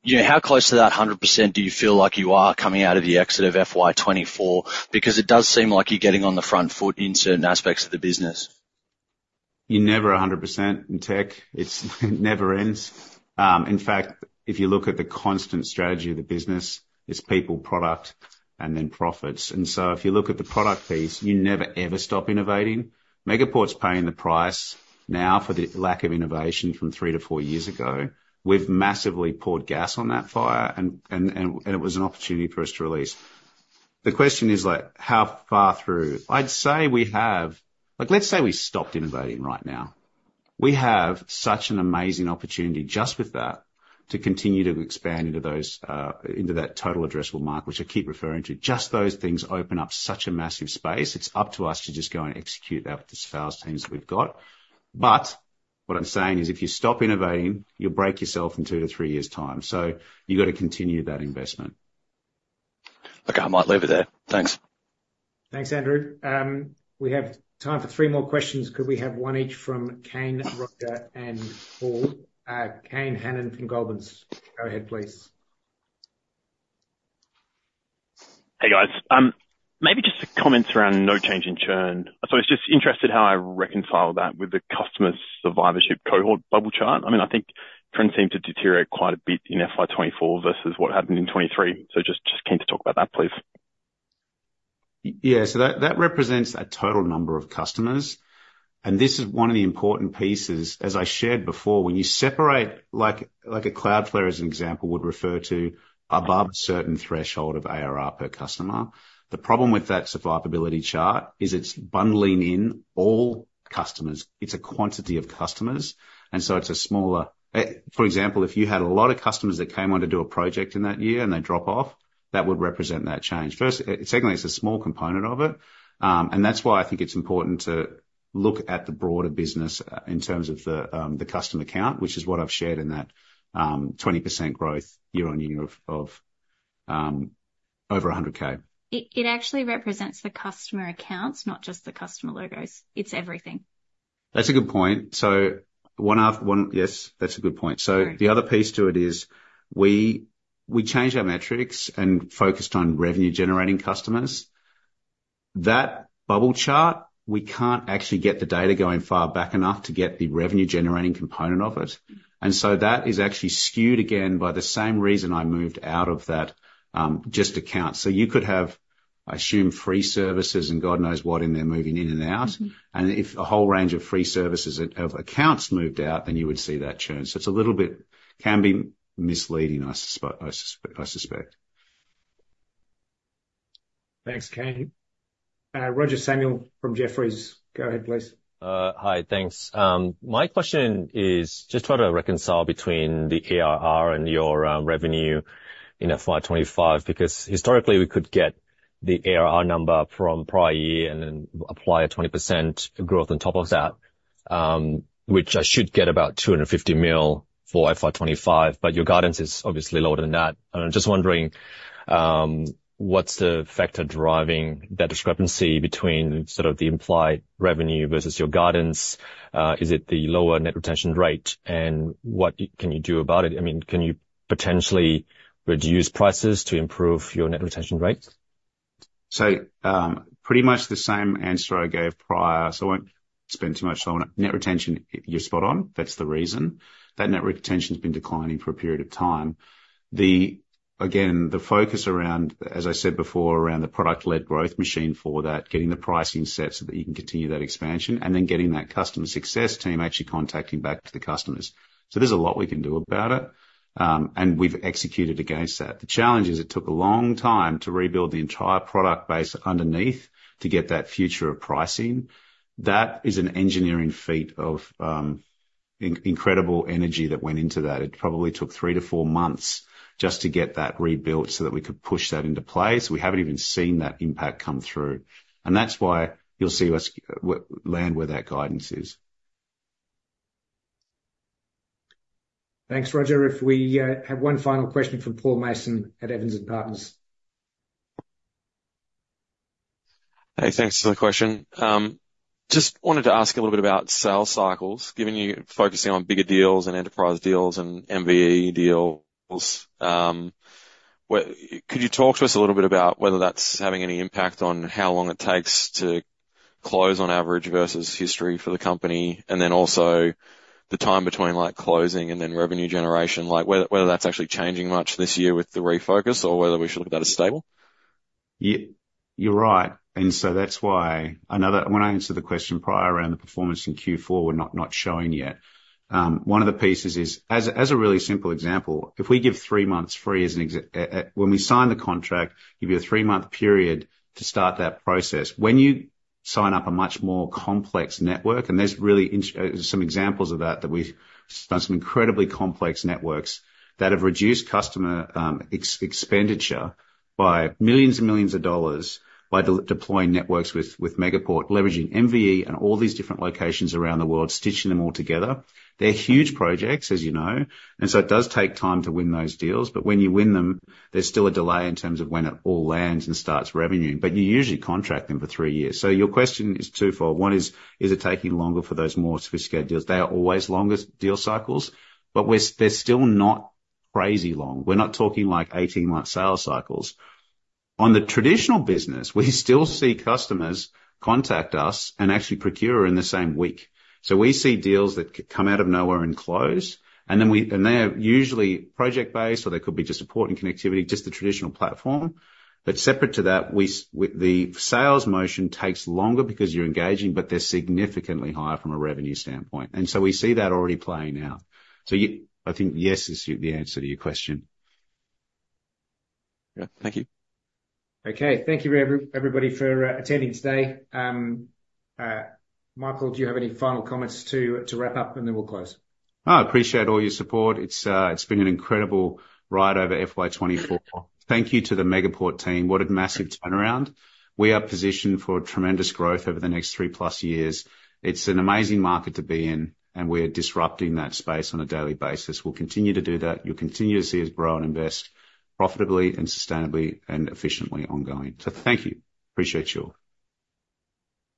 you know, how close to that 100% do you feel like you are coming out of the exit of FY 2024? Because it does seem like you're getting on the front foot in certain aspects of the business. You're never 100% in tech. It's it never ends. In fact, if you look at the constant strategy of the business, it's people, product, and then profits. And so if you look at the product piece, you never, ever stop innovating. Megaport's paying the price now for the lack of innovation from three to four years ago. We've massively poured gas on that fire, and it was an opportunity for us to release. The question is like, how far through? I'd say we have... Like, let's say we stopped innovating right now. We have such an amazing opportunity just with that, to continue to expand into those, into that total addressable market, which I keep referring to. Just those things open up such a massive space. It's up to us to just go and execute that with as fast teams as we've got. But what I'm saying is, if you stop innovating, you'll break yourself in two to three years' time, so you've got to continue that investment. Okay, I might leave it there. Thanks. Thanks, Andrew. We have time for three more questions. Could we have one each from Kane, Roger, and Paul? Kane Hannan from Goldman Sachs, go ahead, please. Hey, guys. Maybe just some comments around no change in churn. So I was just interested how I reconcile that with the customer survivorship cohort bubble chart. I mean, I think trends seem to deteriorate quite a bit in FY 2024 versus what happened in 2023. So just keen to talk about that, please. Yeah, so that represents a total number of customers, and this is one of the important pieces. As I shared before, when you separate, like a Cloudflare as an example, would refer to above certain threshold of ARR per customer. The problem with that survivability chart is it's bundling in all customers. It's a quantity of customers, and so it's a smaller. For example, if you had a lot of customers that came on to do a project in that year, and they drop off, that would represent that change. First, secondly, it's a small component of it, and that's why I think it's important to look at the broader business in terms of the customer count, which is what I've shared in that 20% growth year on year of over 100K. It actually represents the customer accounts, not just the customer logos. It's everything. That's a good point. Yes, that's a good point. Sorry. The other piece to it is, we changed our metrics and focused on revenue-generating customers. That bubble chart, we can't actually get the data going far back enough to get the revenue-generating component of it. Mm-hmm. And so that is actually skewed again by the same reason I moved out of that, just accounts. So you could have, I assume, free services and God knows what in there, moving in and out. Mm-hmm. If a whole range of free services, of accounts moved out, then you would see that churn. So it's a little bit, can be misleading, I suspect. Thanks, Kane. Roger Samuel from Jefferies, go ahead, please. Hi, thanks. My question is just try to reconcile between the ARR and your revenue in FY 2025, because historically we could get the ARR number from prior year and then apply a 20% growth on top of that, which I should get about 250 million for FY 2025. But your guidance is obviously lower than that, and I'm just wondering what's the factor driving that discrepancy between sort of the implied revenue versus your guidance. Is it the lower net retention rate, and what can you do about it? I mean, can you potentially reduce prices to improve your net retention rate? So, pretty much the same answer I gave prior, so I won't spend too much time on it. Net retention, you're spot on. That's the reason. That net retention's been declining for a period of time. The, again, the focus around, as I said before, around the product-led growth machine for that, getting the pricing set so that you can continue that expansion, and then getting that customer success team actually contacting back to the customers. So there's a lot we can do about it, and we've executed against that. The challenge is it took a long time to rebuild the entire product base underneath to get that future-proof pricing. That is an engineering feat of incredible energy that went into that. It probably took three to four months just to get that rebuilt so that we could push that into place. We haven't even seen that impact come through, and that's why you'll see us land where that guidance is. Thanks, Roger. If we have one final question from Paul Mason at Evans & Partners. Hey, thanks for the question. Just wanted to ask a little bit about sales cycles. Given you're focusing on bigger deals and enterprise deals and MVE deals, could you talk to us a little bit about whether that's having any impact on how long it takes to close on average versus history for the company, and then also the time between, like, closing and then revenue generation, like, whether that's actually changing much this year with the refocus or whether we should look at that as stable? Yeah, you're right, and so that's why. When I answered the question prior around the performance in Q4, we're not showing yet. One of the pieces is, as a really simple example, if we give three months free as an incentive when we sign the contract, give you a three-month period to start that process. When you sign up a much more complex network, and there's really some examples of that. We've done some incredibly complex networks that have reduced customer expenditure by millions and millions of dollars by deploying networks with Megaport, leveraging MVE and all these different locations around the world, stitching them all together. They're huge projects, as you know, and so it does take time to win those deals, but when you win them, there's still a delay in terms of when it all lands and starts revenuing, but you usually contract them for three years. So your question is twofold. One, is it taking longer for those more sophisticated deals? They are always longer deal cycles, but they're still not crazy long. We're not talking like 18-month sales cycles. On the traditional business, we still see customers contact us and actually procure in the same week. So we see deals that come out of nowhere and close, and then and they're usually project-based, or they could be just support and connectivity, just the traditional platform. But separate to that, we saw the sales motion takes longer because you're engaging, but they're significantly higher from a revenue standpoint, and so we see that already playing out. So yes, I think yes is the answer to your question. Yeah. Thank you. Okay, thank you, everybody for attending today. Michael, do you have any final comments to wrap up? And then we'll close. Oh, I appreciate all your support. It's been an incredible ride over FY 2024. Thank you to the Megaport team. What a massive turnaround! We are positioned for tremendous growth over the next three-plus years. It's an amazing market to be in, and we're disrupting that space on a daily basis. We'll continue to do that. You'll continue to see us grow and invest profitably and sustainably and efficiently ongoing. So thank you. Appreciate you all.